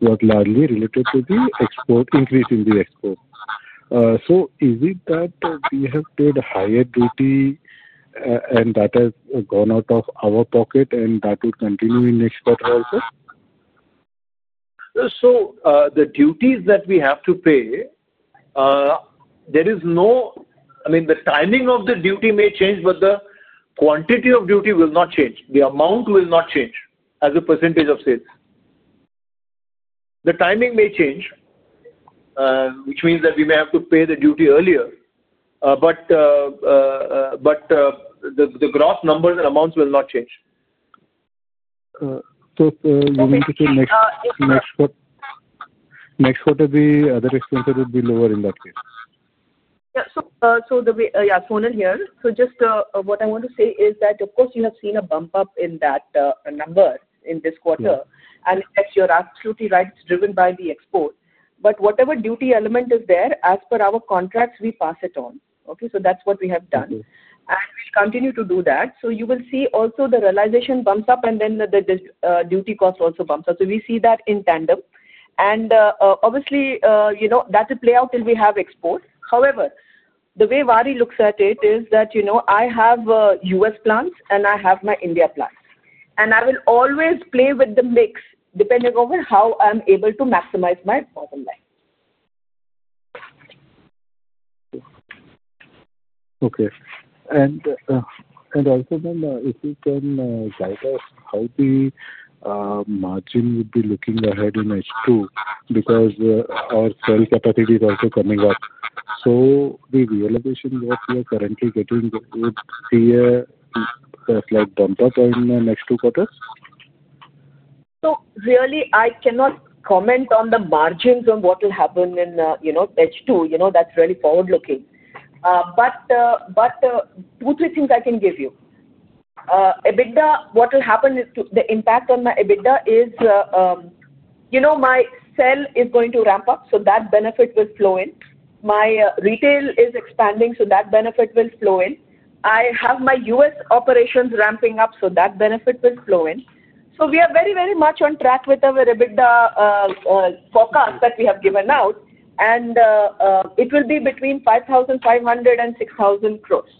were largely related to the increase in the exports. Is it that we have paid a higher duty, and that has gone out of our pocket and that would continue in next quarter also? Yeah. The duties that we have to pay, I mean, the timing of the duty may change, but the quantity of duty will not change. The amount will not change as a percentage of sales. The timing may change, which means that we may have to pay the duty earlier, but the gross numbers and amounts will not change. You mean to say next quarter, the other expenses would be lower in that case? Yeah. Sonal here. Just what I want to say is that, of course you have seen a bump up in that number in this quarter. Yes, you're absolutely right, it's driven by the export. Whatever duty element is there, as per our contracts, we pass it on. That's what we have done, and we'll continue to do that. You will see also the realization bumps up and then the duty cost also bumps up. We see that in tandem. Obviously, you know, that will play out till we have exports. However, the way Waaree looks at it is that, you know, I have U.S. plants and I have my India plants. I will always play with the mix, depending on how I'm able to maximize my bottom line. Okay.Also, if you can guide us how the margin would be looking ahead in H2, because our cell capacity is also coming up, so the realization that we are currently getting would be a slight bump up in the next two quarters? Really, I cannot comment on the margins on what will happen in H2. That's really forward-looking. Two, three things I can give you. EBITDA, what will happen is the impact on my EBITDA is, my cell is going to ramp up. That benefit will flow in. My retail is expanding, so that benefit will flow in. I have my U.S. operations ramping up, so that benefit will flow in. We are very, very much on track with our EBITDA forecast that we have given out, and it will be between 5,500 crores and 6,000 crores.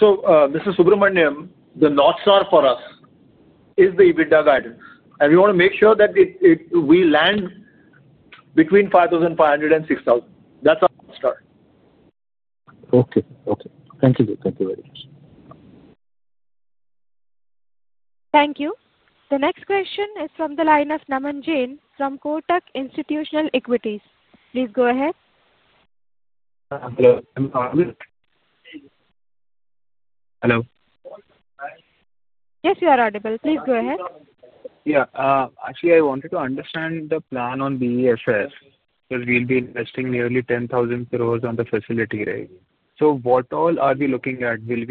Mr. Subramanyam, the North Star for us is the EBITDA guidance. We want to make sure that we land between 5,500 crores and 6,000 crores. That's our North Star. Okay, thank you. Thank you very much. Thank you. The next question is from the line of Naman Jain from Kotak Institutional Equities. Please go ahead. Hello. Yes, you are audible. Please go ahead. Yeah. Actually, I wanted to understand the plan on BESS, because we'll be investing nearly 10,000 crore on the facility, right? What all are we looking at? In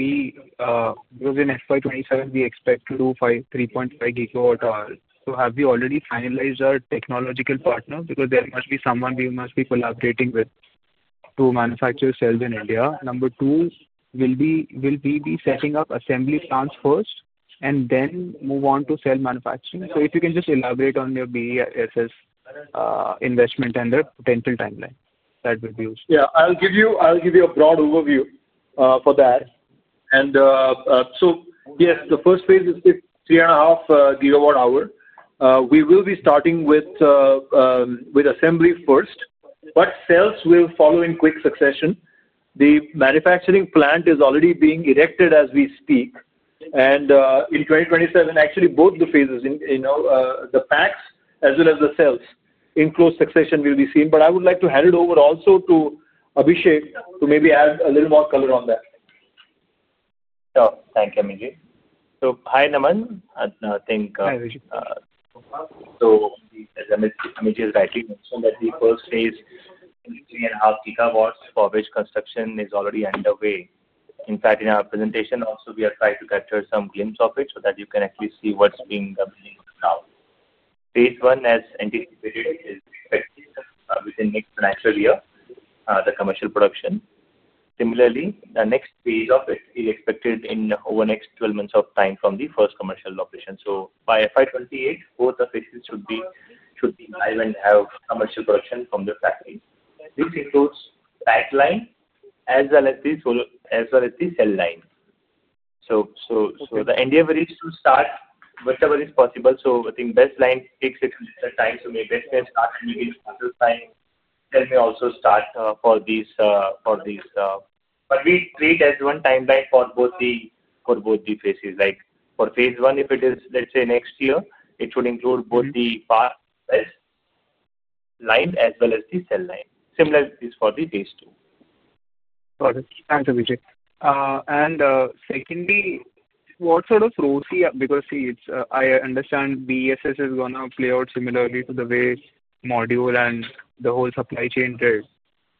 FY 2027, we expect to do 3.5 GW-hours. Have we already finalized our technological partner? There must be someone we must be collaborating with to manufacture cells in India. Number two, will we be setting up assembly plants first and then move on to cell manufacturing? If you can just elaborate on your BESS investment and the potential timeline, that would be useful. Yeah. I'll give you a broad overview for that. Yes, the first phase is 3.5 GW-hour. We will be starting with assembly first, but cells will follow in quick succession. The manufacturing plant is already being erected as we speak. In 2027, actually both the phases, the packs as well as the cells in close succession will be seen. I would like to hand it over also to Abhishek, to maybe add a little more color on that. Thank you, Amit. Hi, Naman. Hi, Abhishek. Amit has rightly mentioned that the first phase is 3.5 GW-hours, for which construction is already underway. In fact, in our presentation also, we are trying to capture some glimpse of it, so that you can actually see what's being built now. Phase one, as anticipated, is expected that within the next financial year, there's commercial production. Similarly, the next phase of it is expected in over the next 12 months of time from the first commercial operation. By FY 2028, both the phases should be live and have commercial production from the factories. This includes pack line as well as the cell line. The India to start whatever is possible. I think the best line takes a few different times. Maybe the best line starts in the beginning of the time. Cell may also start for these. We treat it as one timeline for both the phases. Like for phase one, if it is, let's say next year, it would include both the pack line as well as the cell line. Similarly, this for the phase two. Got it. Thanks, Abhishek. Secondly, see, I understand BESS is going to play out similarly to the way module and the whole supply chains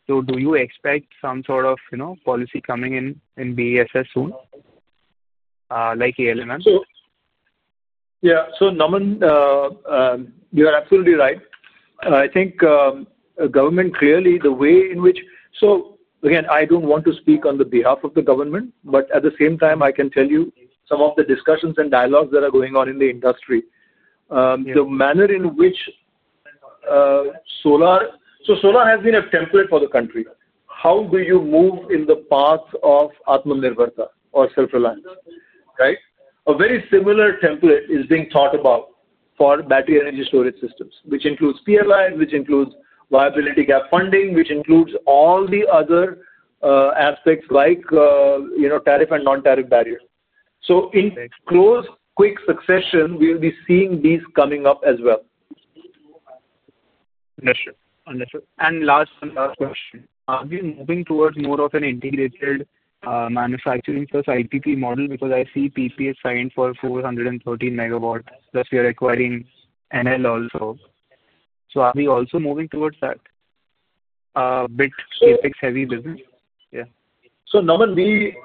are. Do you expect some sort of, you know, policy coming in BESS soon, like ALMM? Yeah. Naman, you are absolutely right. I think again, I don't want to speak on behalf of the government, but at the same time, I can tell you some of the discussions and dialogues that are going on in the industry. Solar has been a template for the country. How do you move in the path of atmanirbharta or self-reliance, right? A very similar template is being thought about for battery energy storage systems, which includes PLI, which includes Vability Gap Funding, which includes all the other aspects like tariff and non-tariff barrier. In close, quick succession, we will be seeing these coming up as well. Understood. Last question, are we moving towards more of an integrated manufacturing plus IPP model? I see PPAs signed for 413 MW. Plus, we are acquiring NL also. Are we also moving towards that bit [CapEx] heavy business? Yeah. Naman, we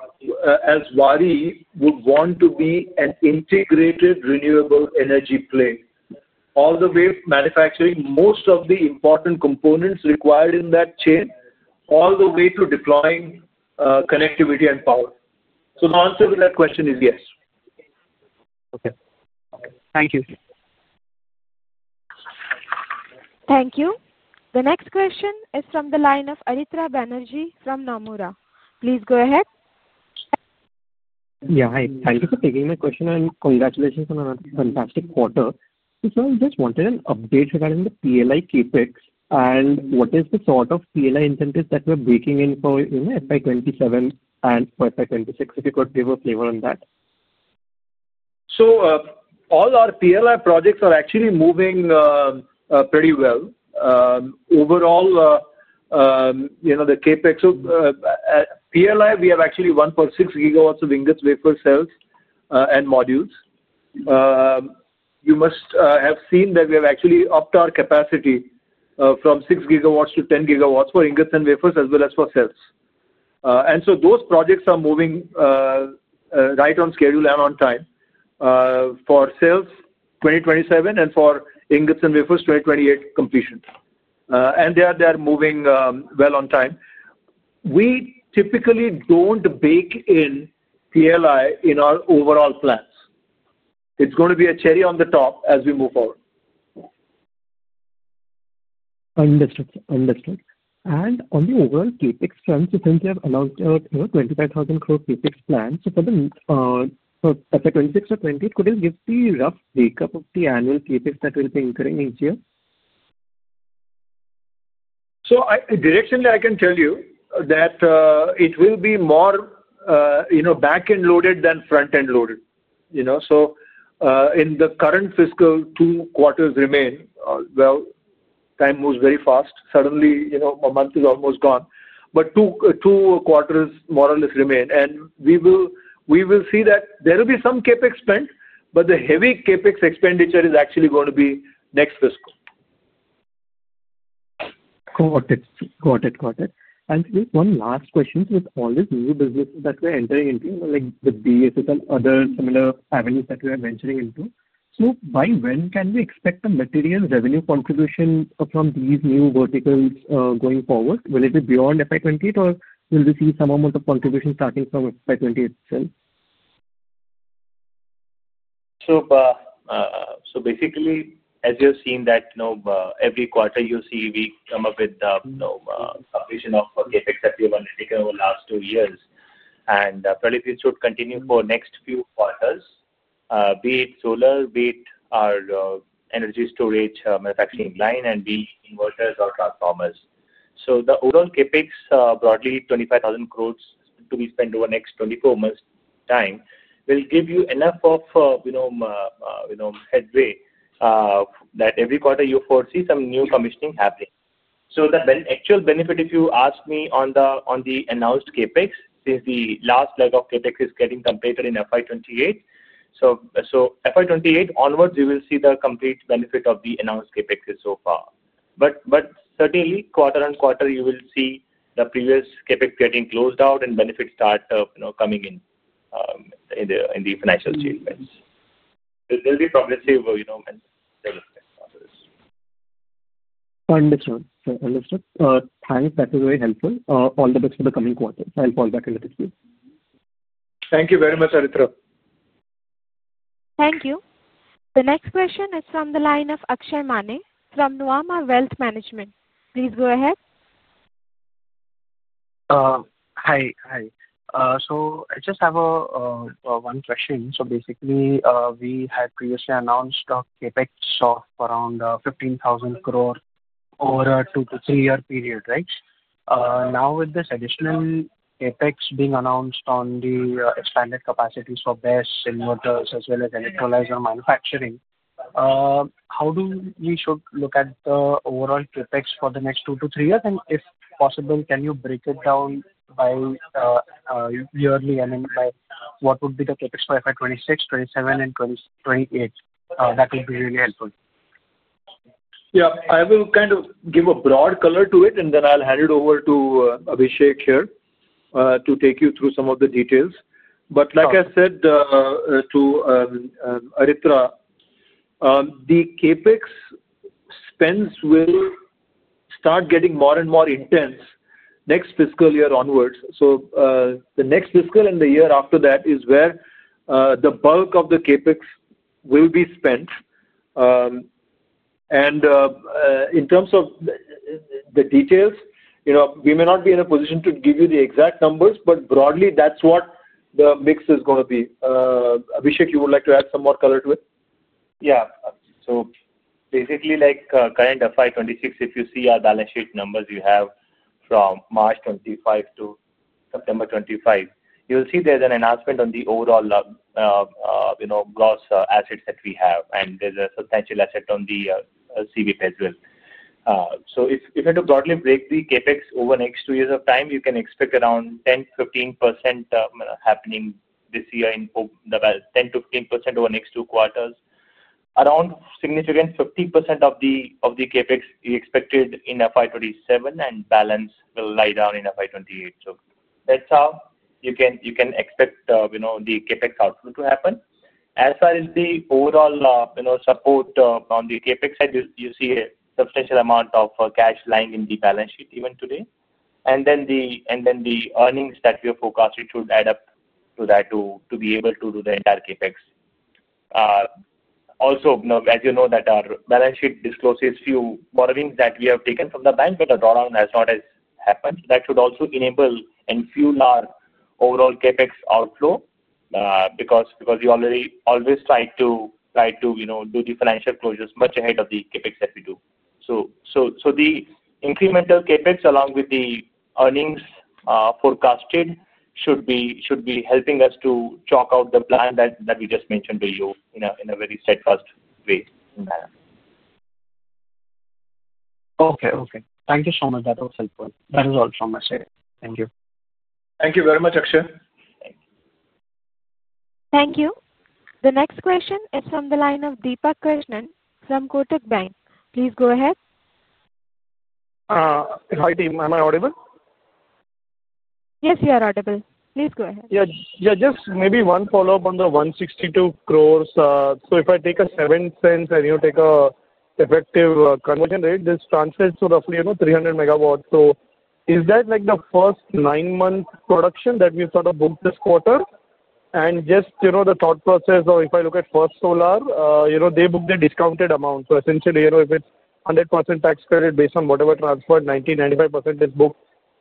as Waaree, would want to be an integrated renewable energy play, all the way to manufacturing most of the important components required in that chain, all the way to deploying connectivity and power. The answer to that question is yes. Okay. Thank you. Thank you. The next question is from the line of Aritra Banerjee from Nomura. Please go ahead. Yeah. Hi. Thank you for taking my question, and congratulations on another fantastic quarter. I just wanted an update regarding the PLI, CapEx, and what is the sort of PLI incentives that we're baking in for FY 2027 and for FY 2026? If you could give a flavor on that. All our PLI projects are actually moving pretty well. Overall, you know, so PLI, we have actually won for 6 GW of ingots, wafer cells, and modules. You must have seen that we have actually upped our capacity from 6 GW-10 GW for ingots and wafers as well as for cells. Those projects are moving right on schedule and on time for cells 2027, and for ingots and wafers 2028 completion. They are moving well on time. We typically don't bake in PLI in our overall plans. It's going to be a cherry on the top as we move forward. Understood. On the overall CapEx funds, you said you have announced a 25,000 crore CapEx plans. For FY 2026 or 2028, could you give the rough breakup of the annual CapEx that we'll be incurring each year? Directionally, I can tell you that it will be more back-end loaded than front-end loaded. In the current fiscal, two quarters remain. Time moves very fast. Suddenly, a month is almost gone. Two quarters more or less remain, and we will see that there will be some CapEx spent, but the heavy Capex expenditure is actually going to be next fiscal. Got it. One last question, with all this new business that we're entering into, like the BESS and other similar avenues that we are venturing into, so by when can we expect a material revenue contribution from these new verticals going forward? Will it be beyond FY 2028, or will we see some amount of contribution starting from FY 2028 itself? Basically, as you've seen, every quarter you see we come up with the completion of the CapEx that we have undertaken over the last two years. This should continue for the next few quarters, be it solar, be it our energy storage manufacturing line, and the inverters or transformers. The overall CapEx, broadly 25,000 crores to be spent over the next 24 months time, will give you enough headway, that every quarter, you foresee some new commissioning happening. The actual benefit, if you ask me, on the announced CapEx, since the last leg of CapEx is getting completed in FY 2028, so FY 2028 onwards, you will see the complete benefit of the announced CapExes so far. Certainly, quarter-on-quarter, you will see the previous CapEx getting closed out and benefits start coming in the financial chains. There will be progressive developments. Understood, thanks. That was very helpful. All the best for the coming quarters. I'll go back in the queue. Thank you very much, Aritra. Thank you. The next question is from the line of Akshay Mane from Nuvama Wealth Management. Please go ahead. Hi. I just have one question. Basically, we had previously announced our CapEx of around 15,000 crore over a two to three-year period, right? Now with this additional Capex being announced on the expanded capacities for BESS, inverters, as well as electrolyzer manufacturing, how should we look at the overall CapEx for the next two to three years? If possible, can you break it down by yearly? I mean, what would be the CapEx for FY 2026, FY 2027, and FY 2028? That would be really helpful. Yeah. I will kind of give a broad color to it, and then I'll hand it over to Abhishek here to take you through some of the details. Like I said to Aritra, the CapEx spends will start getting more and more intense next fiscal year onwards. The next fiscal and the year after that, is where the bulk of the CapEx will be spent. In terms of the details, you know, we may not be in a position to give you the exact numbers, but broadly, that's what the mix is going to be. Abhishek, you would like to add some more color to it? Yeah. Basically, like current FY 2026, if you see our balance sheet numbers you have from March 2025 to September 2025, you'll see there's an announcement on the overall gross assets that we have. There's a substantial asset on the CBP as well. If you had to broadly break the CapEx over the next two years of time, you can expect around 10%-15% happening this year and 10%-15% over the next two quarters. Around significant 50% of the CapEx is expected in FY 2027, and balance will lie down in FY 2028. That's how you can expect the CapEx outflow to happen. As far as the overall support on the CapEx side, you see a substantial amount of cash lying in the balance sheet even today. The earnings that we are forecasting should add up to that to be able to do the entire CapEx. Also, as you know, our balance sheet discloses a few borrowings that we have taken from the bank, but the drawdown has not happened. That should also enable and fuel our overall Capex outflow, because we already always try to do the financial closures much ahead of the CapEx that we do. The incremental CapEx along with the earnings forecasted, should be helping us to chalk out the plan that we just mentioned to you in a very steadfast way. Okay. Thank you so much. That was helpful. That is all from my side. Thank you. Thank you very much, Akshay. Thank you. The next question is from the line of Deepak Krishnan from Kotak Bank. Please go ahead. Hi, team. Am I audible? Yes, you are audible. Please go ahead. Yeah. Just maybe one follow-up on the 162 crores. If I take $0.07 and you take an effective conversion rate, this translates to roughly 300 MW. Is that like the first nine-month production that we've sort of booked this quarter? Just the thought process of, if I look at First Solar, you know, they book the discounted amount. Essentially, you know, if it's 100% tax credit based on whatever transferred, 90%-95% is booked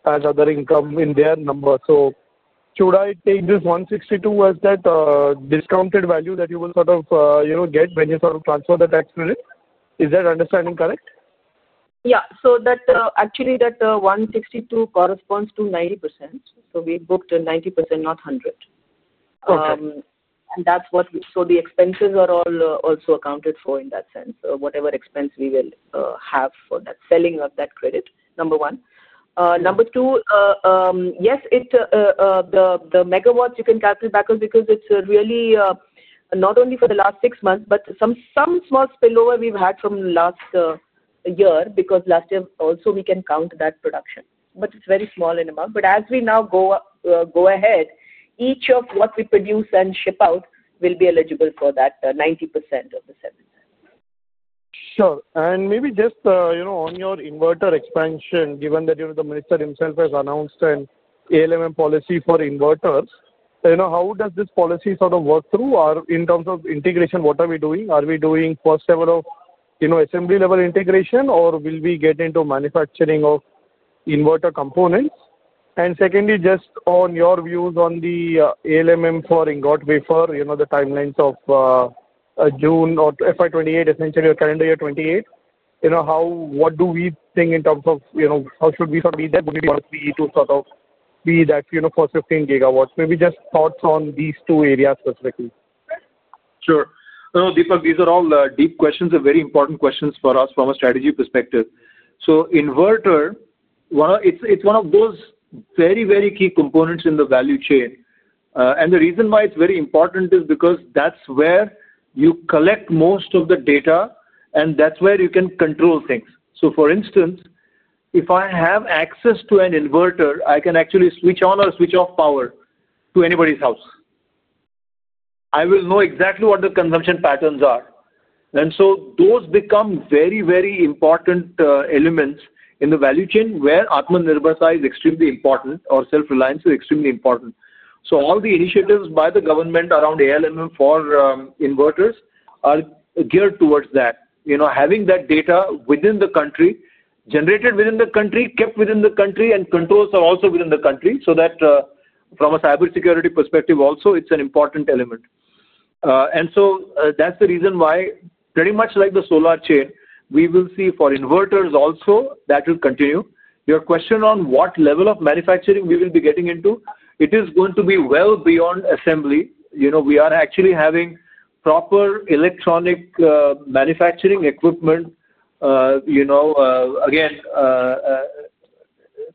as other income in their number. Should I take this 162 crores as that discounted value that you will sort of, you know, get when you sort of transfer the tax credit? Is that understanding correct? Yeah. Actually, that 162 crores corresponds to 90%. We booked 90%, not 100%, and so the expenses are also accounted for in that sense, so whatever expense we will have for that selling of that credit, number one. Number two, yes, the megawatts, you can calculate backwards because it's really not only for the last six months, but some small spillover we've had from last year because last year, also we can count that production. It's very small in amount. As we now go ahead, each of what we produce and ship out will be eligible for that 90% of the $0.07. Sure. Maybe just on your inverter expansion, given that the minister himself has announced an ALMM policy for inverters, how does this policy sort of work? In terms of integration, what are we doing? Are we doing for several assembly-level integration, or will we get into manufacturing of inverter components? Secondly, just on your views on the ALMM for ingot, wafer, the timelines of June or FY 2028 essentially, or calendar year 2028, what do we think in terms of, how should we [complete that]? Would it be 15 GW? Maybe just thoughts on these two areas specifically. Sure. No, Deepak, these are all deep questions and very important questions for us from a strategy perspective. Inverter, it's one of those very, very key components in the value chain. The reason why it's very important, is because that's where you collect most of the data and that's where you can control things. For instance, if I have access to an inverter, I can actually switch on or switch off power to anybody's house. I will know exactly what the consumption patterns are. Those become very, very important elements in the value chain where Atmanirbharta is extremely important or self-reliance is extremely important. All the initiatives by the government around ALMM for inverters are geared towards that. Having that data within the country, generated within the country, kept within the country and controls are also within the country. From a cybersecurity perspective also, it's an important element. That's the reason why, pretty much like the solar chain, we will see for inverters also, that will continue. Your question on what level of manufacturing we will be getting into, it is going to be well beyond assembly. We are actually having proper electronic manufacturing equipment, you know, again,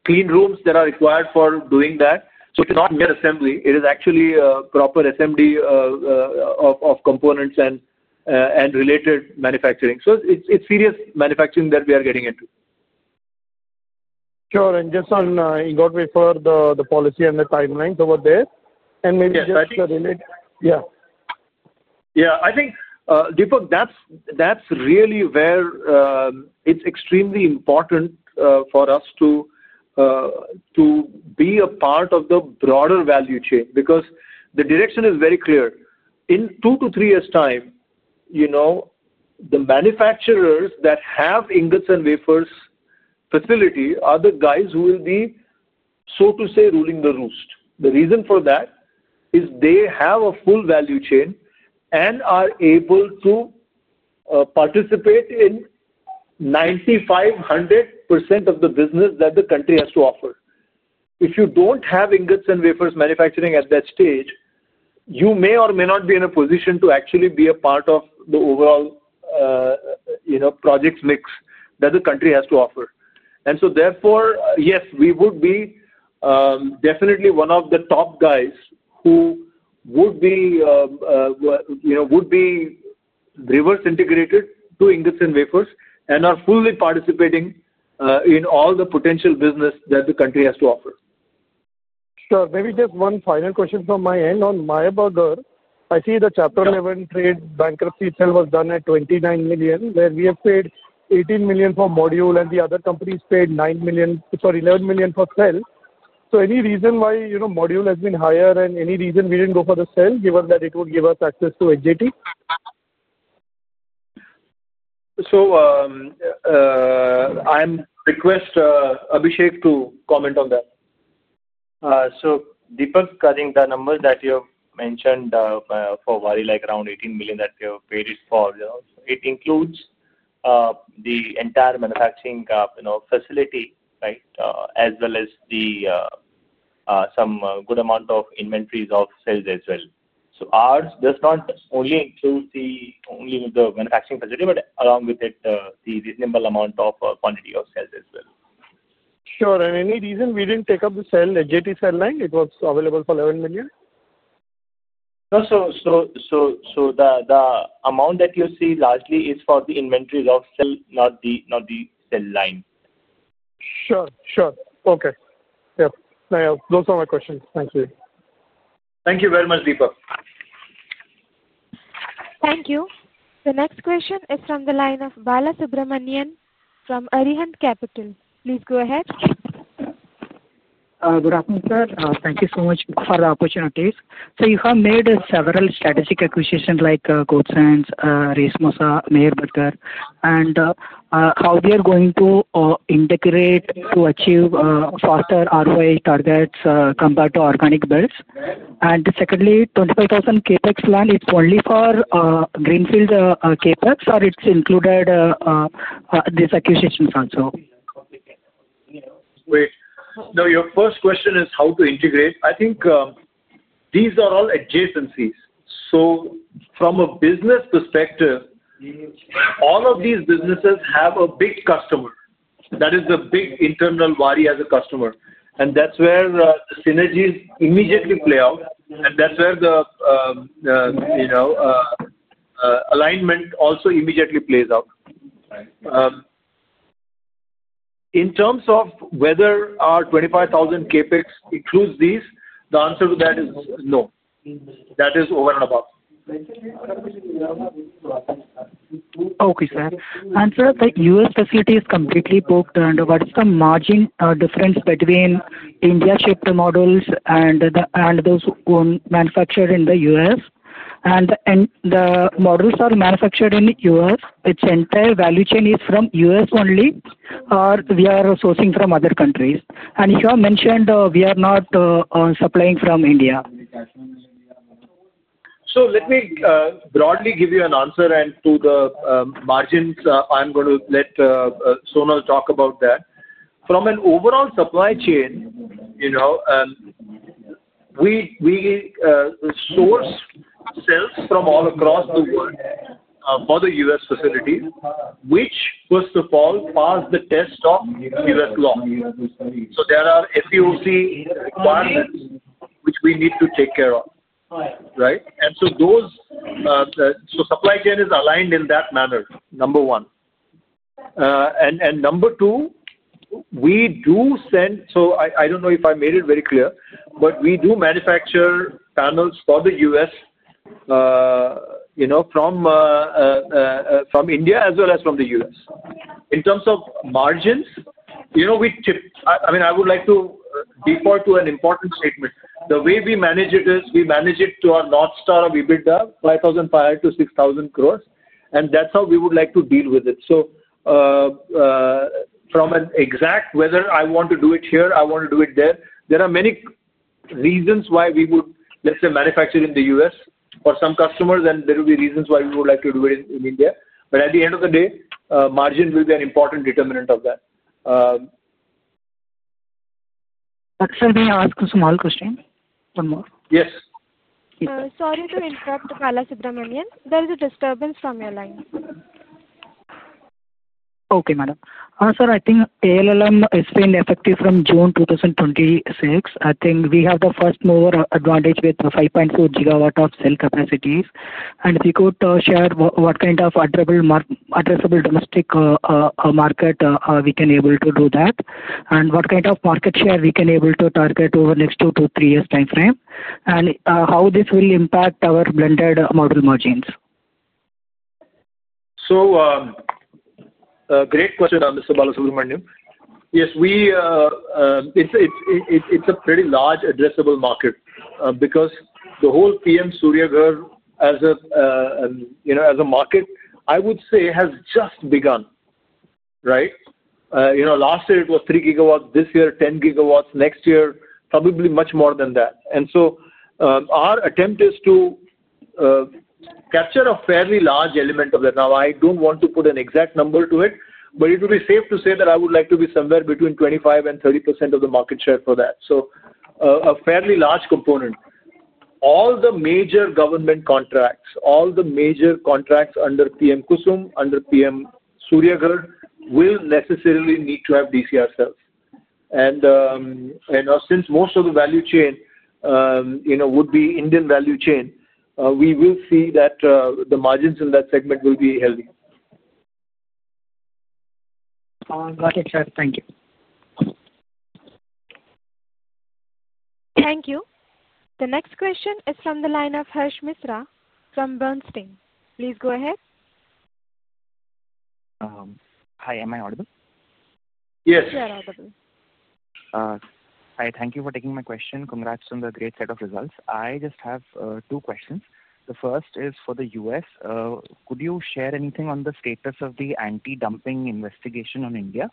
clean rooms that are required for doing that. It's not just assembly. It is actually a proper assembly of components and related manufacturing. It's serious manufacturing that we are getting into. Sure. You referred to the policy and the timelines over there. Maybe just to. Yeah. I think, Deepak, that's really where it's extremely important for us to be a part of the broader value chain, because the direction is very clear. In two to three years' time, you know, the manufacturers that have ingots and wafers facility are the guys who will be, so to say, ruling the roost. The reason for that is they have a full value chain, and are able to participate in 9,500% of the business that the country has to offer. If you don't have ingots and wafers manufacturing at that stage, you may or may not be in a position to actually be a part of the overall project's mix that the country has to offer. Therefore, yes, we would be definitely one of the top guys who would be reverse integrated to ingots and wafers, and are fully participating in all the potential business that the country has to offer. Sure. Maybe just one final question from my end. On Meyer Burger, I see the Chapter 11 trade bankruptcy sale was done at $29 million, where we have paid $18 million for module and the other companies paid $11 million for cell. Any reason why module has been higher, and any reason we didn't go for the cell, given that it would give us access to HJT? I'm requesting Abhishek to comment on that. Deepak, I think the numbers that you have mentioned for Waaree, like around $18 million that they have paid it for, you know, it includes the entire manufacturing facility, as well as some good amount of inventories of sales as well. Ours does not only include the manufacturing facility, but along with it, the reasonable amount of quantity of sales as well. Sure. Any reason we didn't take up the sale HJT cell line? It was available for $11 million. No, so the amount that you see largely is for the inventories of sale, not the cell line. Sure, okay. Yeah, those are all my questions. Thank you. Thank you very much, Deepak. Thank you. The next question is from the line of Balasubramanian from Arihant Capital. Please go ahead. Good afternoon, sir. Thank you so much for the opportunities. You have made several strategic acquisitions like Kotson, Racemosa, Meyer Burger, and how are we going to integrate to achieve faster ROI targets compared to organic builds? Secondly, 25,000 crore CapEx plan is only for greenfield CapEx, or it's included these acquisitions funds also? No. Your first question is how to integrate. I think these are all adjacencies. From a business perspective, all of these businesses have a big customer. That is a big internal Waaree as a customer. That's where the synergies immediately play out, and that's where the alignment also immediately plays out. In terms of whether our 25,000 crore CapEx includes these, the answer to that is no. That is over and above. Okay, sir. Sr, the U.S. facility is completely booked. What is the margin difference between India chapter models and those manufactured in the U.S.? The models manufactured in the U.S., its entire value chain is from the U.S. only, or are we sourcing from other countries? You have mentioned, we are not supplying from India. Let me broadly give you an answer to the margins. I'm going to let Sonal talk about that. From an overall supply chain, we source cells from all across the world for the U.S. facilities, which first of all pass the test of U.S. law. There are FEOC requirements which we need to take care of, right? Supply chain is aligned in that manner, number one. Number two, I don't know if I made it very clear, but we do manufacture panels for the U.S. from India, as well as from the U.S. In terms of margins, I would like to defer to an important statement. The way we manage it is, we manage it to our North Star or EBITDA, 5,500 crores-6,000 crores, and that's how we would like to deal with it. From an exact, whether I want to do it here or I want to do it there, there are many reasons why we would, let's say manufacture in the U.S. for some customers and there will be reasons why we would like to do it in India. At the end of the day, margin will be an important determinant of that. Actually, may I ask a small question, one more? Yes. Sorry to interrupt, Balasubramanian. There is a disturbance from your line. Okay, madam. Sir, I think ALMM is being effected from June 2026. I think we have the first mover advantage with the 5.4 GW of cell capacities. If you could share what kind of addressable domestic market we can be able to do that, and what kind of market share we can be able to target over the next two to three years' time frame, how will this impact our blended model margins? Great question, Mr. Balasubramanian. Yes, it's a pretty large addressable market, because the whole PM Surya Ghar as a market, I would say has just begun. Last year, it was 3 GW, this year, 10 GW, next year, probably much more than that. Our attempt is to capture a fairly large element of that. I don't want to put an exact number to it, but it would be safe to say that I would like to be somewhere between 25% and 30% of the market share for that, so a fairly large component. All the major government contracts, all the major contracts under PM-KUSUM under PM Surya Ghar will necessarily need to have DCR sales. Since most of the value chain would be Indian value chain, we will see that the margins in that segment will be healthy. Got it, sir. Thank you. Thank you. The next question is from the line of [Harshmithra] from Bernstein. Please go ahead. Hi, am I audible? Yes. You are audible. Hi. Thank you for taking my question. Congrats on the great set of results. I just have two questions. The first is for the U.S. Could you share anything on the status of the anti-dumping investigation on India?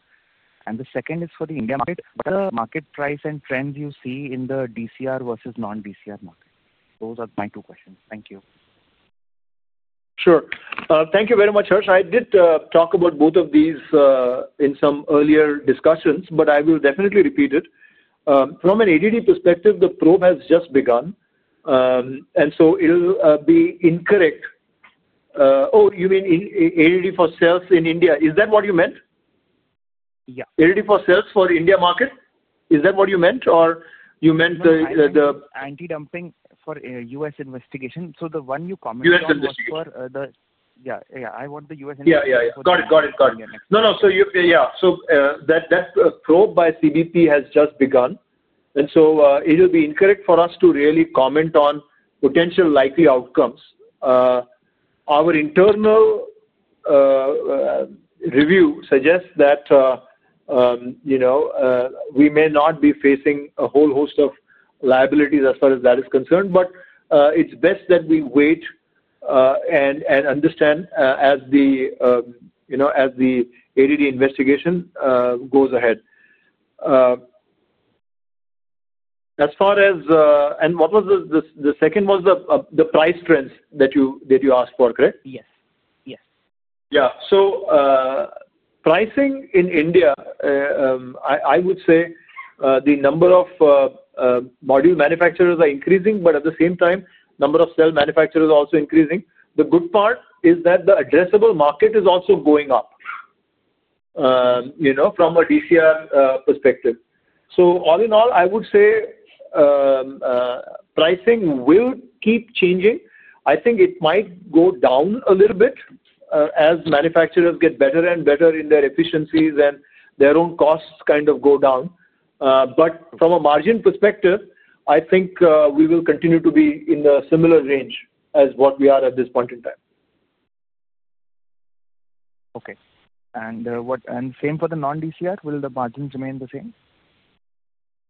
The second is for the India market. What are the market price and trends you see in the DCR versus non-DCR market? Those are my two questions. Thank you. Sure. Thank you very much, Harsh. I did talk about both of these in some earlier discussions, but I will definitely repeat it. From an ADD perspective, the probe has just begun, and so it'll be incorrect. Oh, you mean in ADD for sales in India, is that what you meant? Yeah. ADD for sales for India market? Is that what you meant? anti-dumping for U.S. investigation, so the one you commented on, I want the U.S. investigation. Got it. Yeah, that probe by CBP has just begun, and so it'll be incorrect for us to really comment on potential likely outcomes. Our internal review suggests that we may not be facing a whole host of liabilities as far as that is concerned. It's best that we wait,, and understand as the ADD investigation goes ahead. What was the second one, the price trends that you asked for, correct? Yes. Yeah. Pricing in India, I would say, the number of module manufacturers are increasing, but at the same time, the number of cell manufacturers is also increasing. The good part is that the addressable market is also going up from a DCR perspective. All in all, I would say pricing will keep changing. I think it might go down a little bit as manufacturers get better and better in their efficiencies and their own costs kind of go down. From a margin perspective, I think we will continue to be in the similar range as what we are at this point in time. Okay. The same for the non-DCR, will the margins remain the same?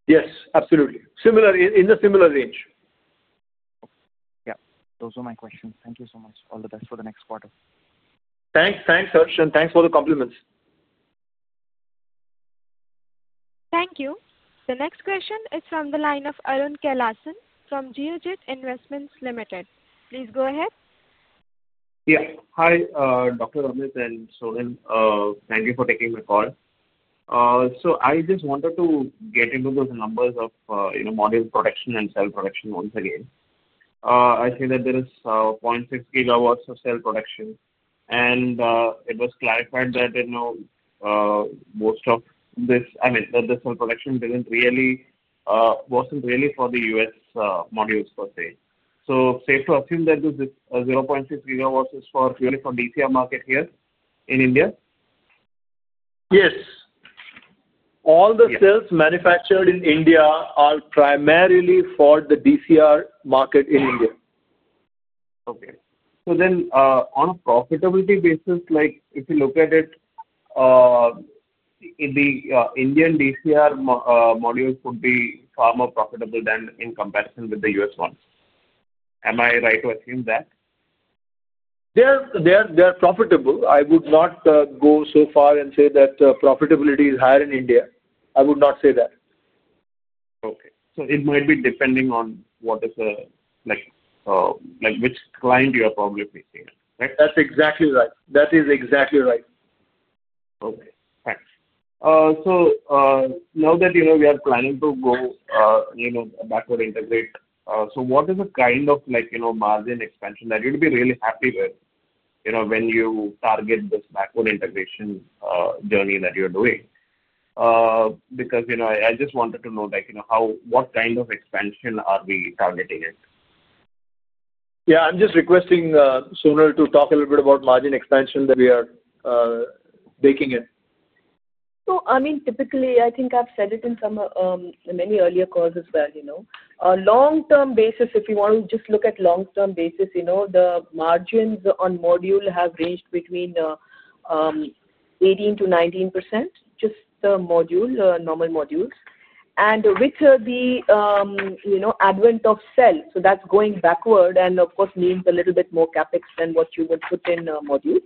Yes, absolutely, in the similar range. Okay. Yeah, those are all my questions. Thank you so much. All the best for the next quarter. Thanks, Harsh and thanks for the compliments. Thank you. The next question is from the line of Arun Kailasan from Geojit Investments Limited. Please go ahead. Yeah. Hi, Dr. Amit and Sonal. Thank you for taking my call. I just wanted to get into those numbers of module production and cell production once again. I see that there is 0.6 GW of cell production, and it was clarified that the cell production wasn't really for the U.S. modules per se. Is it safe to assume that this 0.6 GW is purely for DCR market here in India? Yes. All the cells manufactured in India are primarily for the DCR market in India. Okay. On a profitability basis, if you look at it, the Indian DCR modules would be far more profitable than in comparison with the U.S. ones. Am I right to assume that? They're profitable. I would not go so far and say that profitability is higher in India. I would not say that. Okay. It might be depending on which client you are probably [facing], right? That's exactly right. Okay, thanks. Now that we are planning to go backward, integrate, what is the kind of margin expansion that you'd be really happy with when you target this backward integration journey that you're doing? I just wanted to know, what kind of expansion are we targeting? Yeah, I'm just requesting Sonal to talk a little bit about margin expansion that we are baking in. Typically, I think I've said it in many earlier calls as well. On a long-term basis, if you want to just look at long-term basis, the margins on module have ranged between 18%-19%, just the normal modules. With the advent of cell, so that's going backward and of course means a little bit more CapEx than what you would put in a module.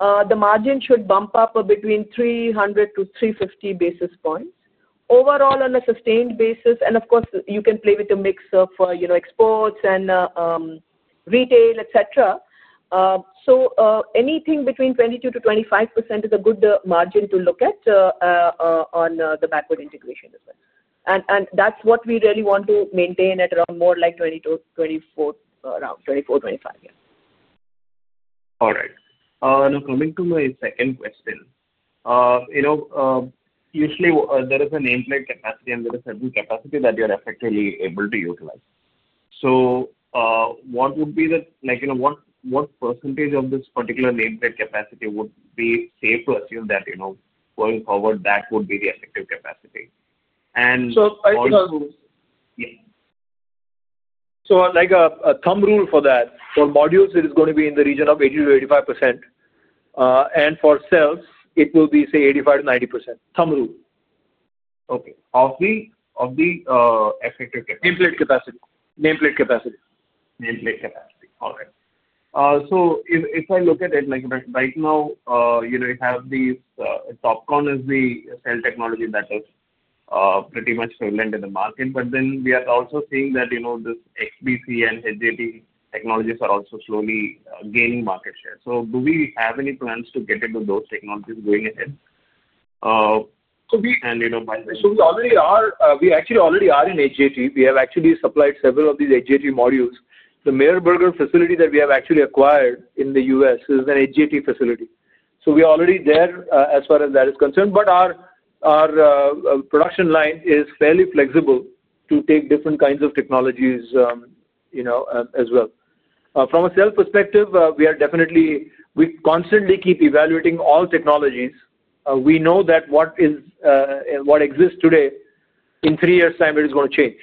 The margin should bump up between 300 basis points-350 basis points. Overall, on a sustained basis, and of course you can play with a mix of exports and retail, etc., so anything between 22%-25% is a good margin to look at on the backward integration as well. That's what we really want to maintain at around more like 22%, 24%, around 24%, 25%, yeah. All right. Now, coming to my second question. Usually, there is a nameplate capacity and there is a new capacity that you're effectively able to utilize. What percentage of this particular nameplate capacity would be safe to assume that going forward, that would be the effective capacity? A thumb rule for that, for modules, it is going to be in the region of 80%-85%. For cells, it will be say, 85%-90%, thumb rule. Okay, of the effective capacity. Nameplate capacity. Nameplate capacity, all right. If I look at it, right now TOPCon is the cell technology that is pretty much prevalent in the market. We are also seeing that this XBC and HJT technologies are also slowly gaining market share. Do we have any plans to get into those technologies going ahead? You know. We already are in HJT. We have actually supplied several of these HJT modules. The Meyer Burger facility that we have actually acquired in the U.S. is an HJT facility. We are already there, as far as that is concerned. Our production line is fairly flexible to take different kinds of technologies as well. From a sales perspective, we definitely constantly keep evaluating all technologies. We know that what exists today, in three years' time, is going to change.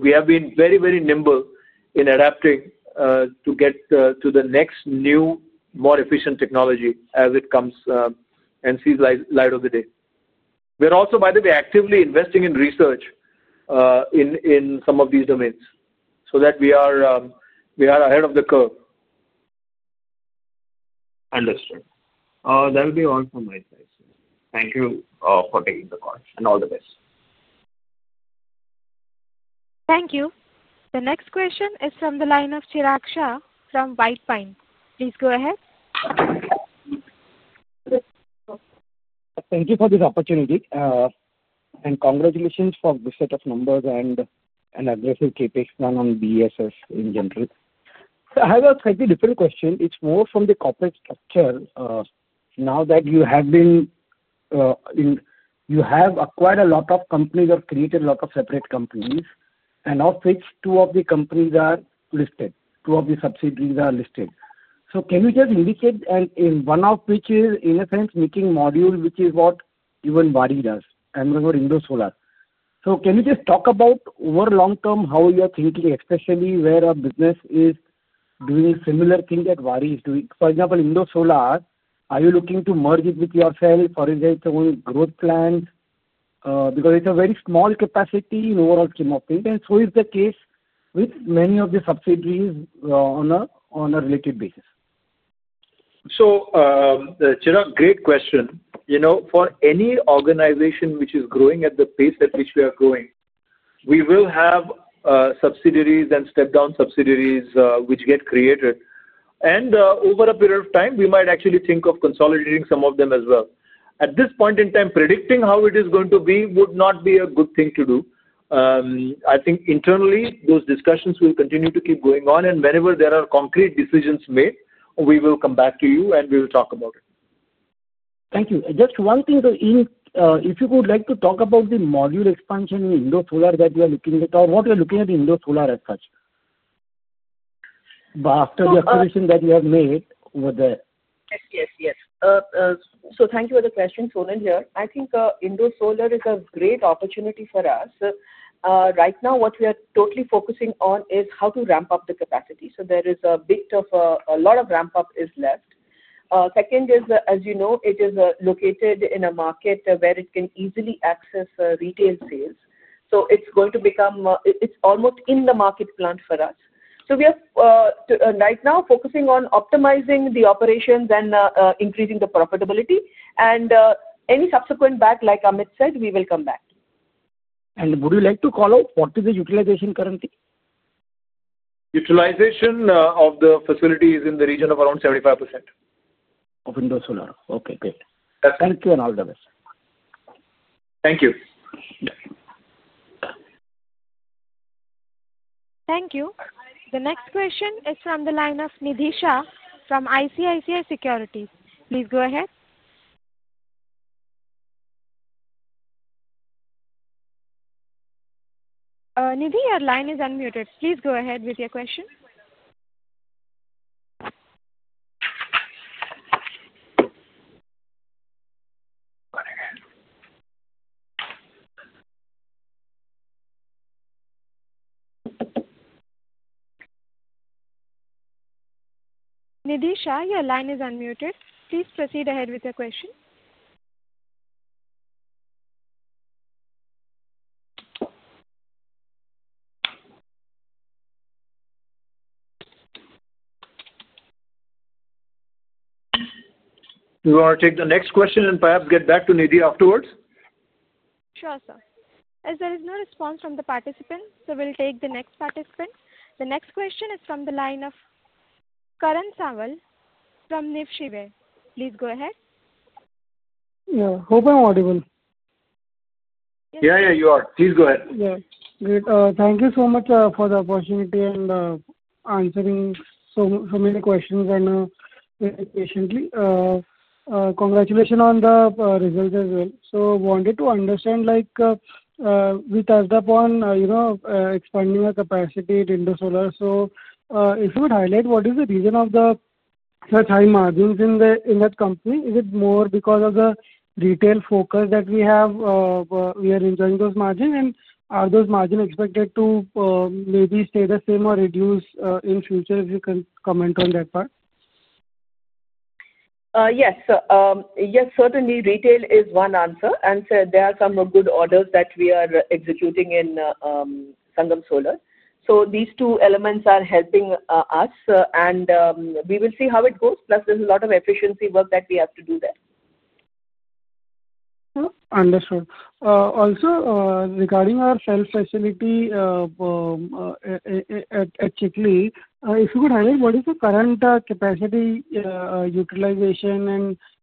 We have been very nimble in adapting to get to the next new, more efficient technology as it comes and sees the light of the day. We're also, by the way, actively investing in research in some of these domains, so that we are ahead of the curve. Understood. That'll be all from my side, sir. Thank you for taking the call, and all the best. Thank you. The next question is from the line of Chirag Shah from White Pine. Please go ahead. Thank you for this opportunity, and congratulations for the set of numbers and an aggressive CapEx plan on BESS in general. I have a slightly different question. It's more from the corporate structure. Now that you have acquired a lot of companies or created a lot of separate companies, and of which two of the companies are listed, two of the subsidiaries are listed, can you just indicate, in one of which is, in a sense, making modules, which is what even Waaree does, [Amazon] or Indosolar? Can you just talk about over long term, how you're thinking, especially where a business is doing similar things that Waaree is doing? For example, Indosolar, are you looking to merge it with yourself or is it its own growth plan? It's a very small capacity in overall scheme of things, and so is the case with many of the subsidiaries on a related basis. Chirag, great question. You know, for any organization which is growing at the pace at which we are growing, we will have subsidiaries and step-down subsidiaries which get created. Over a period of time, we might actually think of consolidating some of them as well. At this point in time, predicting how it is going to be would not be a good thing to do. I think internally, those discussions will continue to keep going on. Whenever there are concrete decisions made, we will come back to you and we will talk about it. Thank you. Just one thing, if you would like to talk about the module expansion in Indosolar that we are looking at or what we are looking at Indosolar as such, after the acquisition that you have made over there? Yes, thank you for the question. Sonal here. I think Indosolar is a great opportunity for us. Right now, what we are totally focusing on is how to ramp up the capacity. A lot of ramp-up left. Second is, as you know, it is located in a market where it can easily access retail sales. It's almost in the market plan for us. We are right now focusing on optimizing the operations and increasing the profitability. Any subsequent [back], like Amit said, we will come back. Would you like to call out, what is the utilization currently? Utilization of the facility is in the region of around 75%. Of Indosolar. Okay, great. That's it. Thank you and all the best. Thank you. Thank you. The next question is from the line of Nidhi Shah from ICICI Securities. Please go ahead. Nidhi, your line is unmuted. Please go ahead with your question. Nidhi Shah, your line is unmuted. Please proceed ahead with your question. Do you want to take the next question and perhaps get back to Nidhi afterwards? Sure, sir. As there is no response from the participant, we'll take the next participant. The next question is from the line of [Karan Saval from Nibshiver]. Please go ahead. Yeah, hope I'm audible. Yeah. Yeah, you are. Please go ahead. Yeah, great. Thank you so much for the opportunity and answering so many questions very patiently. Congratulations on the results as well. I wanted to understand like, we touched upon expanding our capacity at Indosolar. If you would highlight, what is the reason of such high margins in that company? Is it more because of the retail focus that we have, we are enjoying those margins? Are those margins expected to maybe stay the same or reduce in the future? If you can comment on that part. Yes, certainly, retail is one answer. There are some good orders that we are executing in Sangam Solar. These two elements are helping us, and we will see how it goes. Plus, there's a lot of efficiency work that we have to do there. Understood. Also, regarding our shelf facility at Chikli, if you could highlight, what is the current capacity utilization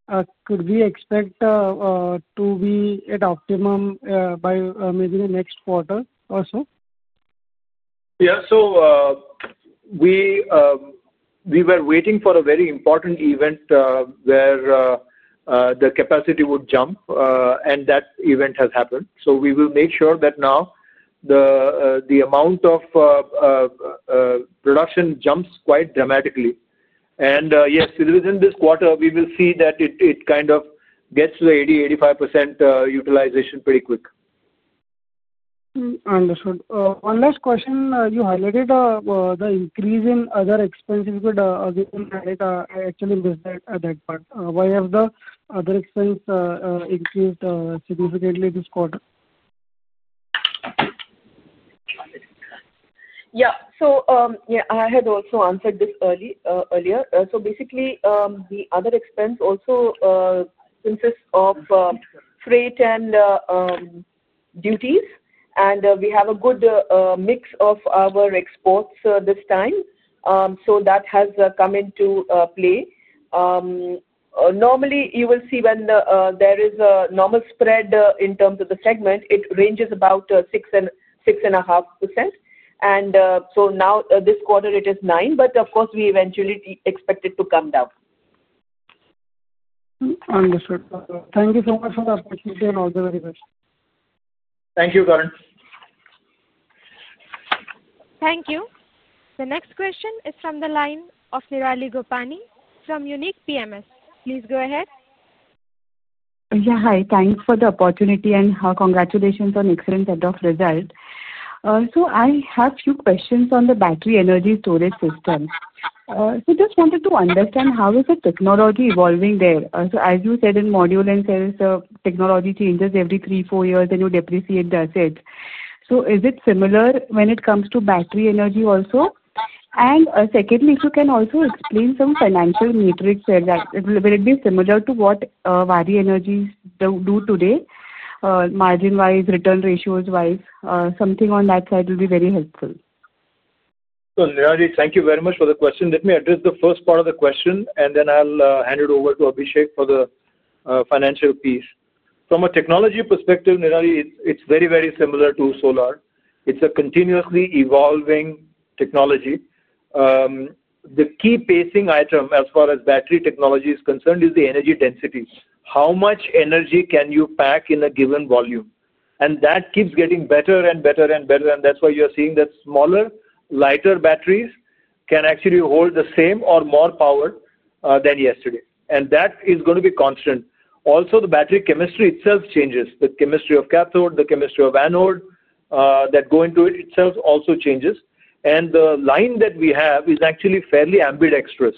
and could we expect to be at optimum by maybe the next quarter or so? Yeah, we were waiting for a very important event, where the capacity would jump. That event has happened. We will make sure that now the amount of production jumps quite dramatically. Yes, within this quarter, we will see that it kind of gets to the 80%-85% utilization pretty quick. Understood. One last question, you highlighted the increase in other expenses. If you could again add it, I actually missed that part, why have the other expense increased significantly this quarter? Yeah, I had also answered this earlier. Basically, the other expense also consists of freight and duties. We have a good mix of our exports this time, so that has come into play. Normally, you will see when there is a normal spread in terms of the segment, it ranges about 6% and 6.5%. Now, this quarter, it is 9%. Of course, we eventually expect it to come down. Understood. Thank you so much for the opportunity and all the very best. Thank you, Karan. Thank you. The next question is from the line of Nirali Gopani from Unique PMS. Please go ahead. Yeah. Hi. Thanks for the opportunity, and congratulations on excellent set of results. I have a few questions on the battery energy storage systems. I just wanted to understand, how is the technology evolving there? As you said in module and cells, technology changes every three, four years, and you depreciate, that's it? Is it similar when it comes to battery energy also? Secondly, if you can also explain some financial metrics there, will it be similar to what Waaree Energies do today margin-wise, return ratios-wise? Something on that side will be very helpful. Nirali, thank you very much for the question. Let me address the first part of the question, and then I'll hand it over to Abhishek for the financial piece. From a technology perspective, Nirali, it's very, very similar to solar. It's a continuously evolving technology. The key pacing item as far as battery technology is concerned is the energy density. How much energy can you pack in a given volume? That keeps getting better and better and better. That's why you are seeing that smaller, lighter batteries can actually hold the same or more power than yesterday. That is going to be constant. Also, the battery chemistry itself changes. The chemistry of cathode, the chemistry of anode that go into it itself also changes. The line that we have is actually fairly ambidextrous.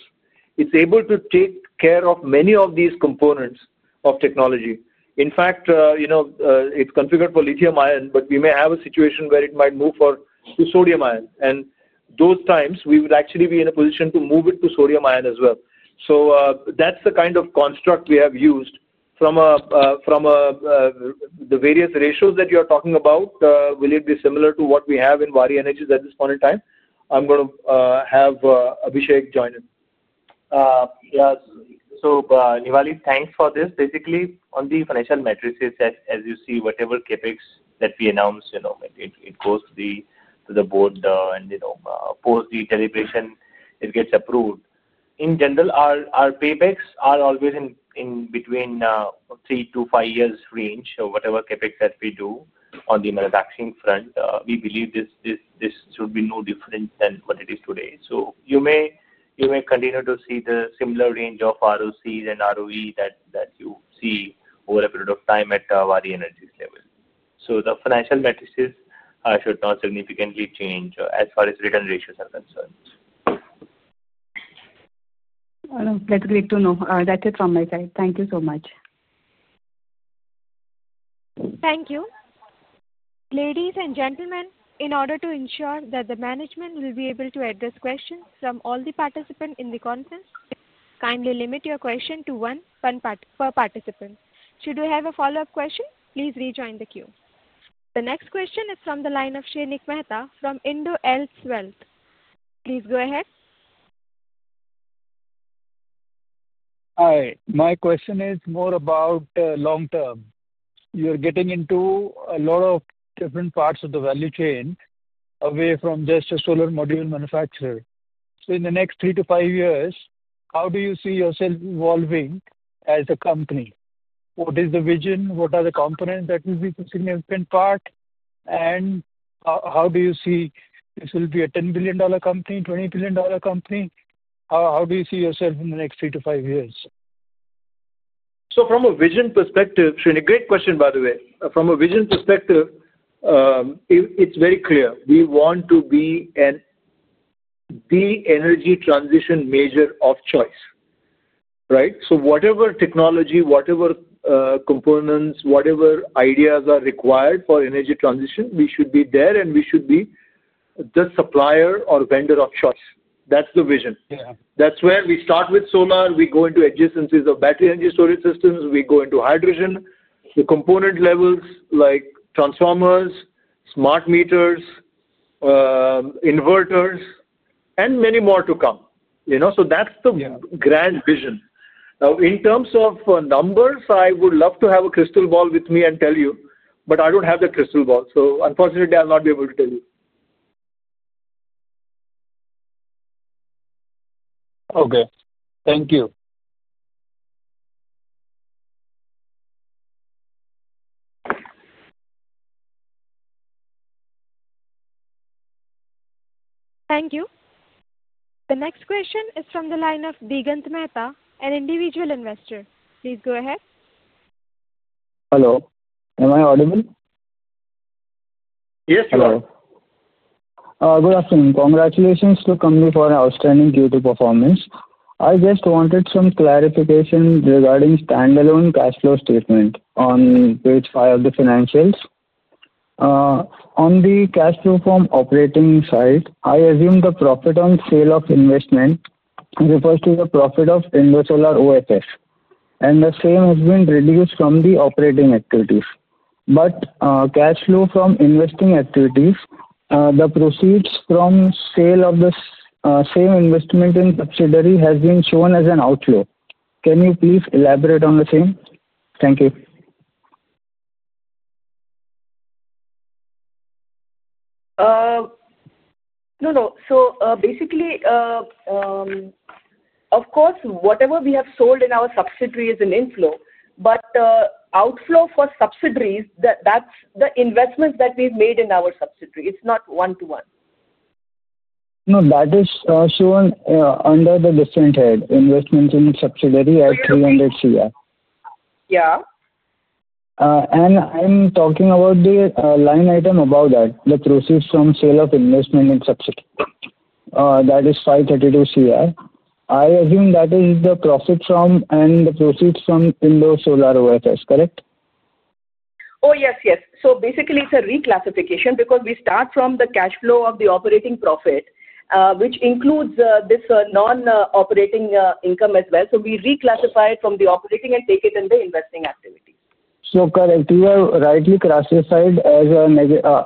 It's able to take care of many of these components of technology. In fact, it's configured for lithium-ion, but we may have a situation where it might move to sodium-ion. In those times, we would actually be in a position to move it to sodium-ion as well. That's the kind of construct we have used. For the various ratios that you are talking about, will it be similar to what we have in Waaree Energies at this point in time? I'm going to have Abhishek join in. Yeah. Nirali, thanks for this. Basically, on the financial matrices, as you see, whatever CapEx that we announce, it goes to the board and post the deliberation, it gets approved. In general, our paybacks are always in between the three to five years range of whatever CapEx that we do on the manufacturing front. We believe this should be no different than what it is today. You may continue to see the similar range of ROCE and ROE that you see over a period of time at Waaree Energies level. The financial matrices should not significantly change as far as return ratios are concerned. That's great to know. That's it from my side. Thank you so much. Thank you. Ladies and gentlemen, in order to ensure that the management will be able to address questions from all the participants in the conference, kindly limit your question to one per participant. Should you have a follow-up question, please rejoin the queue. The next question is from the line of [Shrini Mehta from IndoElse Wealth]. Please go ahead. Hi. My question is more about the long term. You're getting into a lot of different parts of the value chain, away from just a solar module manufacturer. In the next three to five years, how do you see yourself evolving as a company? What is the vision? What are the components that will be a significant part? How do you see, this will be a $10 billion company, $20 billion company? How do you see yourself in the next three to five years? Shrini, great question by the way. From a vision perspective, it's very clear. We want to be the energy transition major of choice, right? Whatever technology, whatever components, whatever ideas are required for energy transition, we should be there and we should be the supplier or vendor of choice. That's the vision. That's where we start with solar. We go into existencies of battery energy storage systems. We go into hydrogen, the component levels like transformers, smart meters, inverters, and many more to come. That's the grand vision. Now, in terms of numbers, I would love to have a crystal ball with me and tell you, but I don't have the crystal ball. Unfortunately, I'll not be able to tell you. Okay, thank you. Thank you. The next question is from the line of Digant Mehta, an individual investor. Please go ahead. Hello. Am I audible? Yes, you are. Good afternoon. Congratulations to the company for an outstanding Q2 performance. I just wanted some clarification regarding the standalone cash flow statement on page 5 of the financials. On the cash flow from operating side, I assume the profit on sale of investment refers to the profit of Indosolar OFS. The same has been reduced from the operating activities. Cash flow from investing activities, the proceeds from sale of the [same] investment in subsidiary has been shown as an outflow. Can you please elaborate on the same? Thank you. No. Basically, of course, whatever we have sold in our subsidiary is an inflow, but outflow for subsidiaries, that's the investments that we've made in our subsidiary. It's not one-to-one. No, that is shown under the different head investments in subsidiary at [300 crore]. I'm talking about the line item above that, the proceeds from sale of investment in [subsidiary]. That is [532 OCR]. I assume that is the profit from and the proceeds from Indosolar OFS, correct? Yes. Basically, it's a reclassification because we start from the cash flow of the operating profit, which includes this non-operating income as well. We reclassify it from the operating and take it in the investing activities. Correct. You are rightly classified as a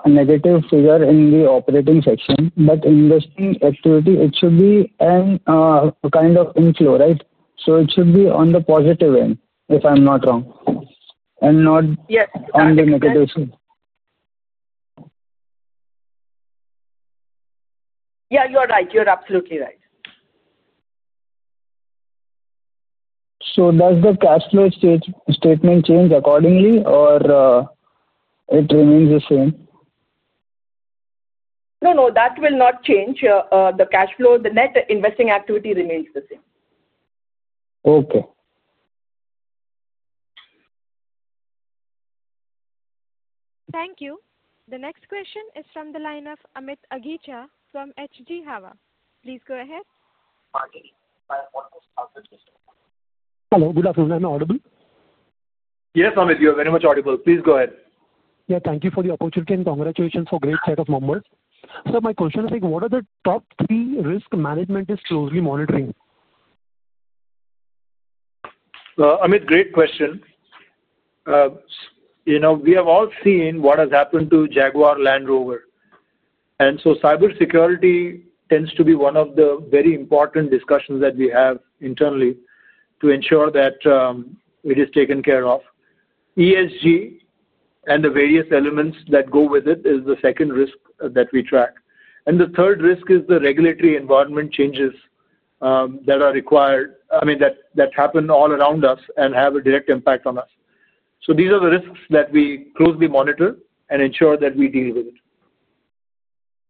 negative figure in the operating section. In investing activity, it should be an inflow, right? It should be on the positive end, if I'm not. Yeah, you are right. You are absolutely right. Does the cash flow statement change accordingly, or it remains the same? No, that will not change. The cash flow, the net investing activity remains the same. Okay. Thank you. The next question is from the line of Amit Agicha from HG Hava. Please go ahead. hello, good afternoon. Am I audible? Yes, Amit. You are very much audible. Please go ahead. Thank you for the opportunity, and congratulations for a great set of numbers. My question is, what are the top three risk management is closely monitoring? Amit, great question. You know, we have all seen what has happened to Jaguar Land Rover, and cybersecurity tends to be one of the very important discussions that we have internally, to ensure that it is taken care of. ESG and the various elements that go with it is the second risk that we track. The third risk is the regulatory environment changes that happen all around us and have a direct impact on us. These are the risks that we closely monitor, and ensure that we deal with it.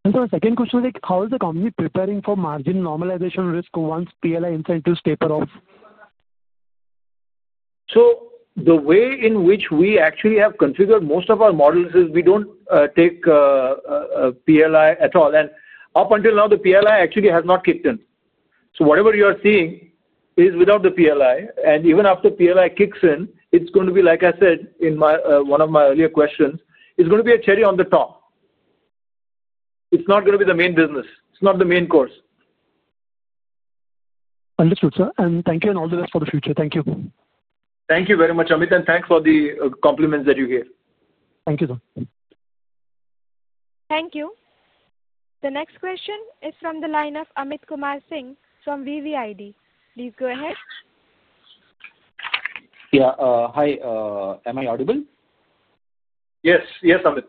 The second question is like, how is the company preparing for margin normalization risk once PLI incentives taper off? The way in which we actually have configured most of our models is, we don't take PLI at all. Up until now, the PLI actually has not kicked in. Whatever you are seeing is without the PLI. Even after PLI kicks in, like I said in one of my earlier questions, it's going to be a cherry on the top. It's not going to be the main business. It's not the main course. Understood, sir. Thank you, and all the best for the future. Thank you. Thank you very much, Amit. Thanks for the compliments that you hear. Thank you, sir. Thank you. The next question is from the line of [Amit Kumar Singh from VVID]. Please go ahead. Yeah, hi. Am I audible? Yes, Amit.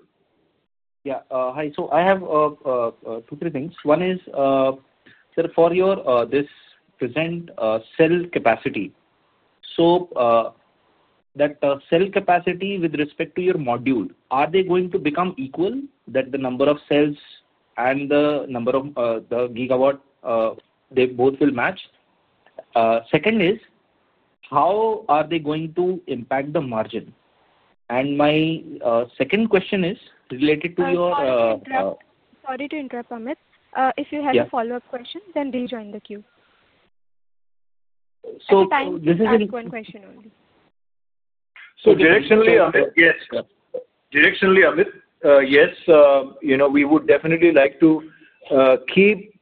Yeah, hi. I have two, three things. One is, sir, for your present cell capacity, that cell capacity with respect to your module, are they going to become equal, that the number of cells and the number of the gigawatt, they both will match? Second is, how are they going to impact the margin? Sorry to interrupt, Amit. If you had a follow-up question, then rejoin the queue. question. Directionally, Amit. Yes, sir. Directionally, Amit, yes, you know, we would definitely like to keep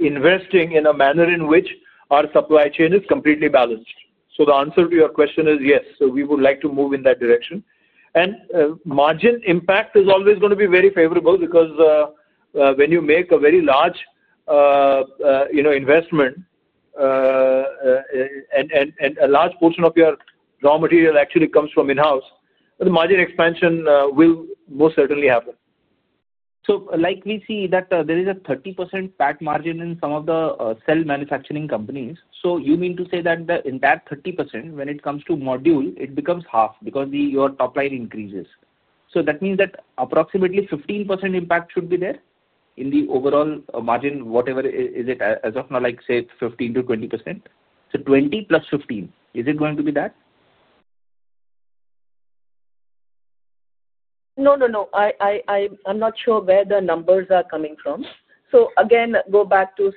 investing in a manner in which our supply chain is completely balanced. The answer to your question is yes, we would like to move in that direction. Margin impact is always going to be very favorable because when you make a very large investment and a large portion of your raw material actually comes from in-house, the margin expansion will most certainly happen. Likely, we see that there is a 30% [fat] margin in some of the cell manufacturing companies. You mean to say that in that 30%, when it comes to module, it becomes half because your top line increases. That means that approximately 15% impact should be there in the overall margin, whatever is it as of now, like say 15%-20%, so 20% plus 15%. Is it going to be that? No, I'm not sure where the numbers are coming from. Again, go back to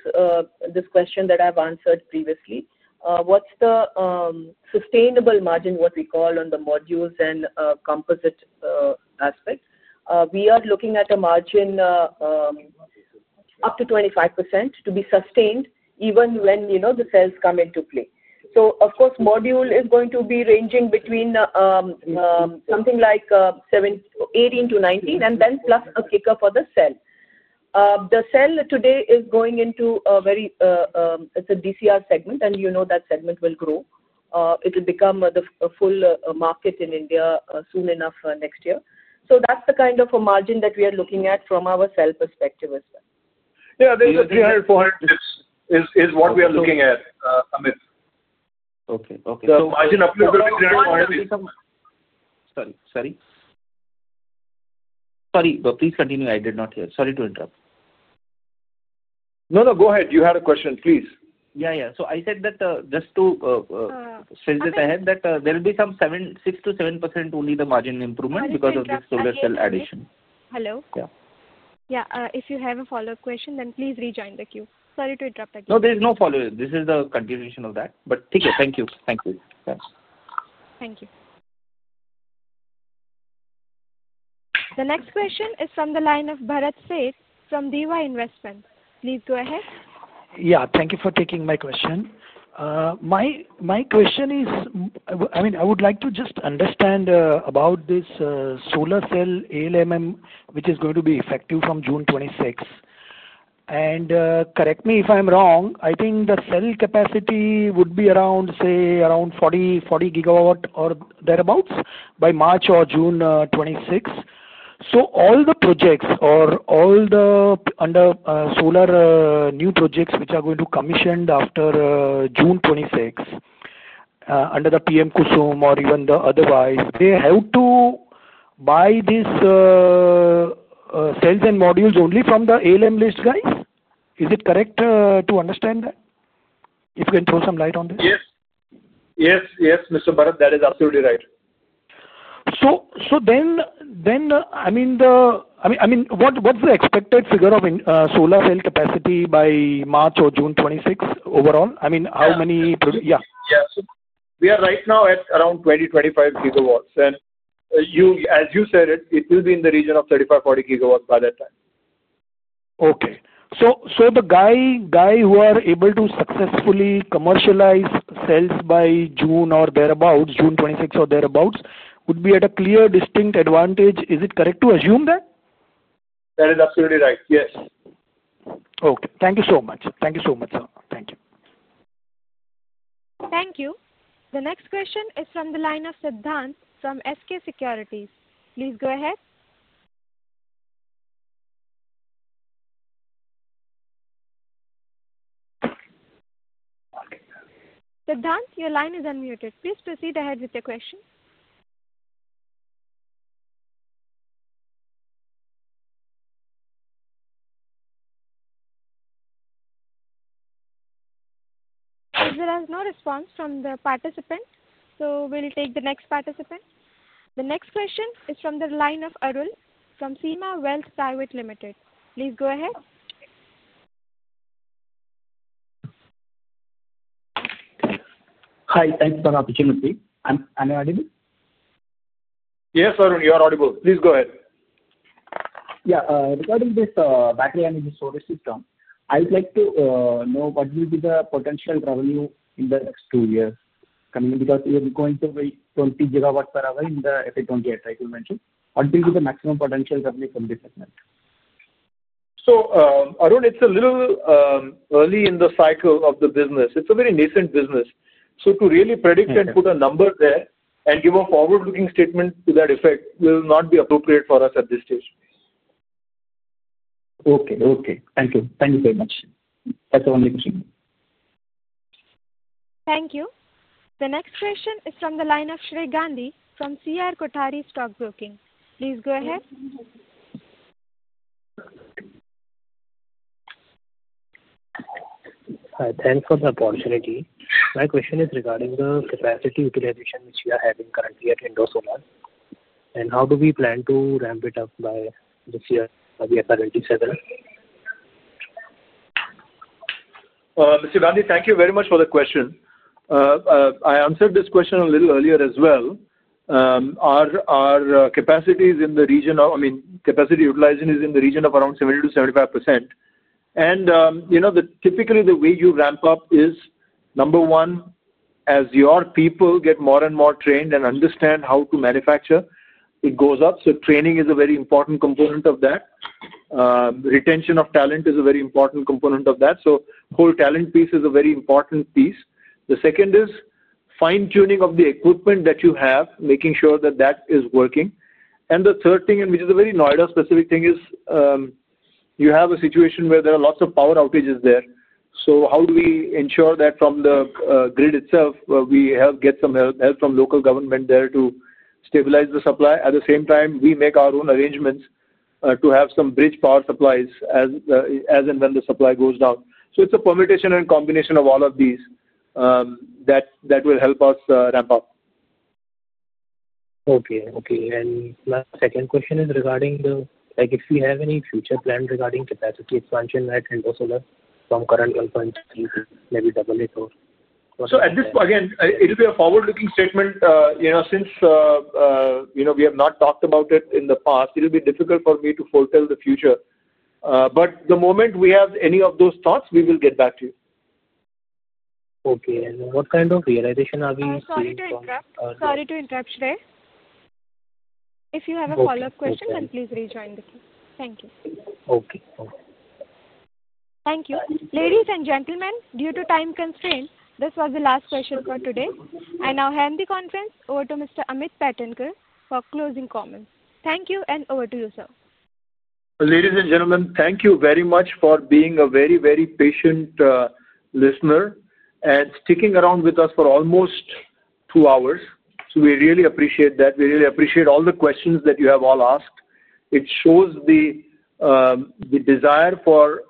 this question that I've answered previously. What's the sustainable margin, what we call on the modules and composite aspect? We are looking at a margin up to 25% to be sustained even when the cells come into play. Of course, module is going to be ranging between something like 18%-19%, and then plus a kicker for the cell. The cell today is going into a DCR segment, and you know that segment will grow. It will become the full market in India soon enough next year. That's the kind of a margin that we are looking at from our cell perspective as well. Yeah. There 300, 400 is what we are looking at, Amit. Okay. Margin up to 300, 400. Sorry. Please continue. I did not hear. Sorry to interrupt. No, go ahead. You had a question, please. Yeah. I said that, just to sense it ahead, that there will be some 6%-7% only the margin improvement because of this solar cell addition. Hello. Yeah. Yeah, if you have a follow-up question, then please rejoin the queue. Sorry to interrupt again. No, there's no follow-up. This is the continuation of that. Thank you. Thank you. The next question is from the line of [Bharat Seth from DY Investments]. Please go ahead. Yeah, thank you for taking my question. My question is, I would like to just understand about this solar cell ALMM, which is going to be effective from June 2026. Correct me if I'm wrong, I think that cell capacity would be around, say around 40 GW or thereabouts by March or June 2026. All the projects under solar, new projects which are going to commission after June 2026, under the PM-KUSUM or even otherwise, they have to buy these cells and modules only from the ALMM list guys? Is it correct to understand that? If you can throw some light on this. Yes, Mr. Bharat, that is absolutely right. I mean, what's the expected figure of solar cell capacity by March or June 2026 overall? Yeah. We are right now at around 20 GW-25 GW, and as you said, it will be in the region of 35 GW-40 GW by that time. Okay. The guy who are able to successfully commercialize cells by June or thereabouts, June 2026 or thereabouts, would be at a clear distinct advantage. Is it correct to assume that? That is absolutely right, yes. Okay, thank you so much. Thank you so much, sir. Thank you. Thank you. The next question is from the line of [Siddhant from SK Securities]. Please go ahead. Siddhant, your line is unmuted. Please proceed ahead with your question. Since there is no response from the participant, we'll take the next participant. The next question is from the line of Arun from Sima Wealth Private Limited. Please go ahead. Hi. Thanks for the opportunity. Am I audible? Yes, Arun, you are audible. Please go ahead. Yeah, regarding this battery energy storage system, I would like to know, what will be the potential revenue in the next two years coming in, because we are going to be 20 GW-hours in the [F (E)] 2028 regulation. What will be the maximum potential revenue from this segment? Arun, it's a little early in the cycle of the business. It's a very nascent business. To really predict and put a number there and give a forward-looking statement to that effect will not be appropriate for us at this stage. Okay, thank you. Thank you very much. That's the only question. Thank you. The next question is from the line of Shrey Gandhi from CR Kothari Stock Broking. Please go ahead. Hi. Thanks for the opportunity. My question is regarding the capacity utilization which we are having currently at Indosolar, and how do we plan to ramp it up by this year? Mr. Gandhi, thank you very much for the question. I answered this question a little earlier as well. Our capacity utilization is in the region of around 70%-75%. Typically, the way you ramp up is, number one, as your people get more and more trained and understand how to manufacture, it goes up. Training is a very important component of that. Retention of talent is a very important component of that. The whole talent piece is a very important piece. The second is fine-tuning of the equipment that you have, making sure that that is working. The third thing, which is a very Noida-specific thing, is you have a situation where there are lots of power outages there. How do we ensure that from the grid itself, we get some help from local government there to stabilize the supply? At the same time, we make our own arrangements to have some bridge power supplies as and when the supply goes down. It's a permutation and a combination of all of these that will help us ramp up. Okay. My second question is regarding, like if we have any future plan regarding capacity expansion at Indosolar from current company to maybe double it or whatever. At this point, it'll be a forward-looking statement. Since we have not talked about it in the past, it'll be difficult for me to foretell the future. The moment we have any of those thoughts, we will get back to you. Okay. What kind of realization are we seeing? Sorry to interrupt. Shrey. If you have a follow-up question, then please rejoin the queue. Thank you. Okay. Thank you. Ladies and gentlemen, due to time constraints, this was the last question for today. I now hand the conference over to Mr. Amit Paithankar for closing comments. Thank you, and over to you, sir. Ladies and gentlemen, thank you very much for being a very, very patient listener and sticking around with us for almost two hours. We really appreciate that. We really appreciate all the questions that you have all asked. It shows the desire for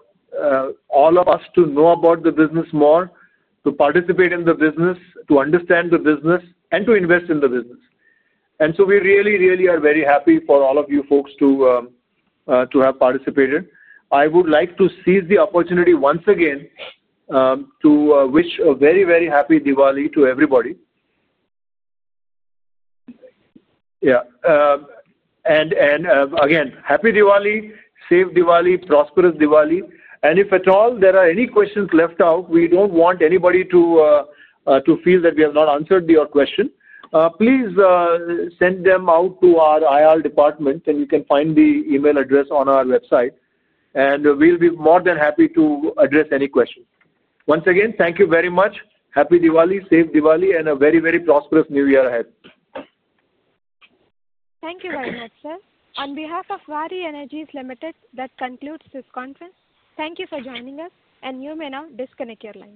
all of us to know about the business more, to participate in the business, to understand the business and to invest in the business. We really, really are very happy for all of you folks to have participated. I would like to seize the opportunity once again to wish a very, very happy Diwali to everybody. Yeah, and again, happy Diwali, safe Diwali, prosperous Diwali. If at all there are any questions left out, we don't want anybody to feel that we have not answered your question. Please send them out to our IR department, and you can find the email address on our website. We'll be more than happy to address any questions. Once again, thank you very much. Happy Diwali, safe Diwali, and a very, very prosperous new year ahead. Thank you very much, sir. On behalf of Waaree Energies Limited, that concludes this conference. Thank you for joining us, and you may now disconnect your line.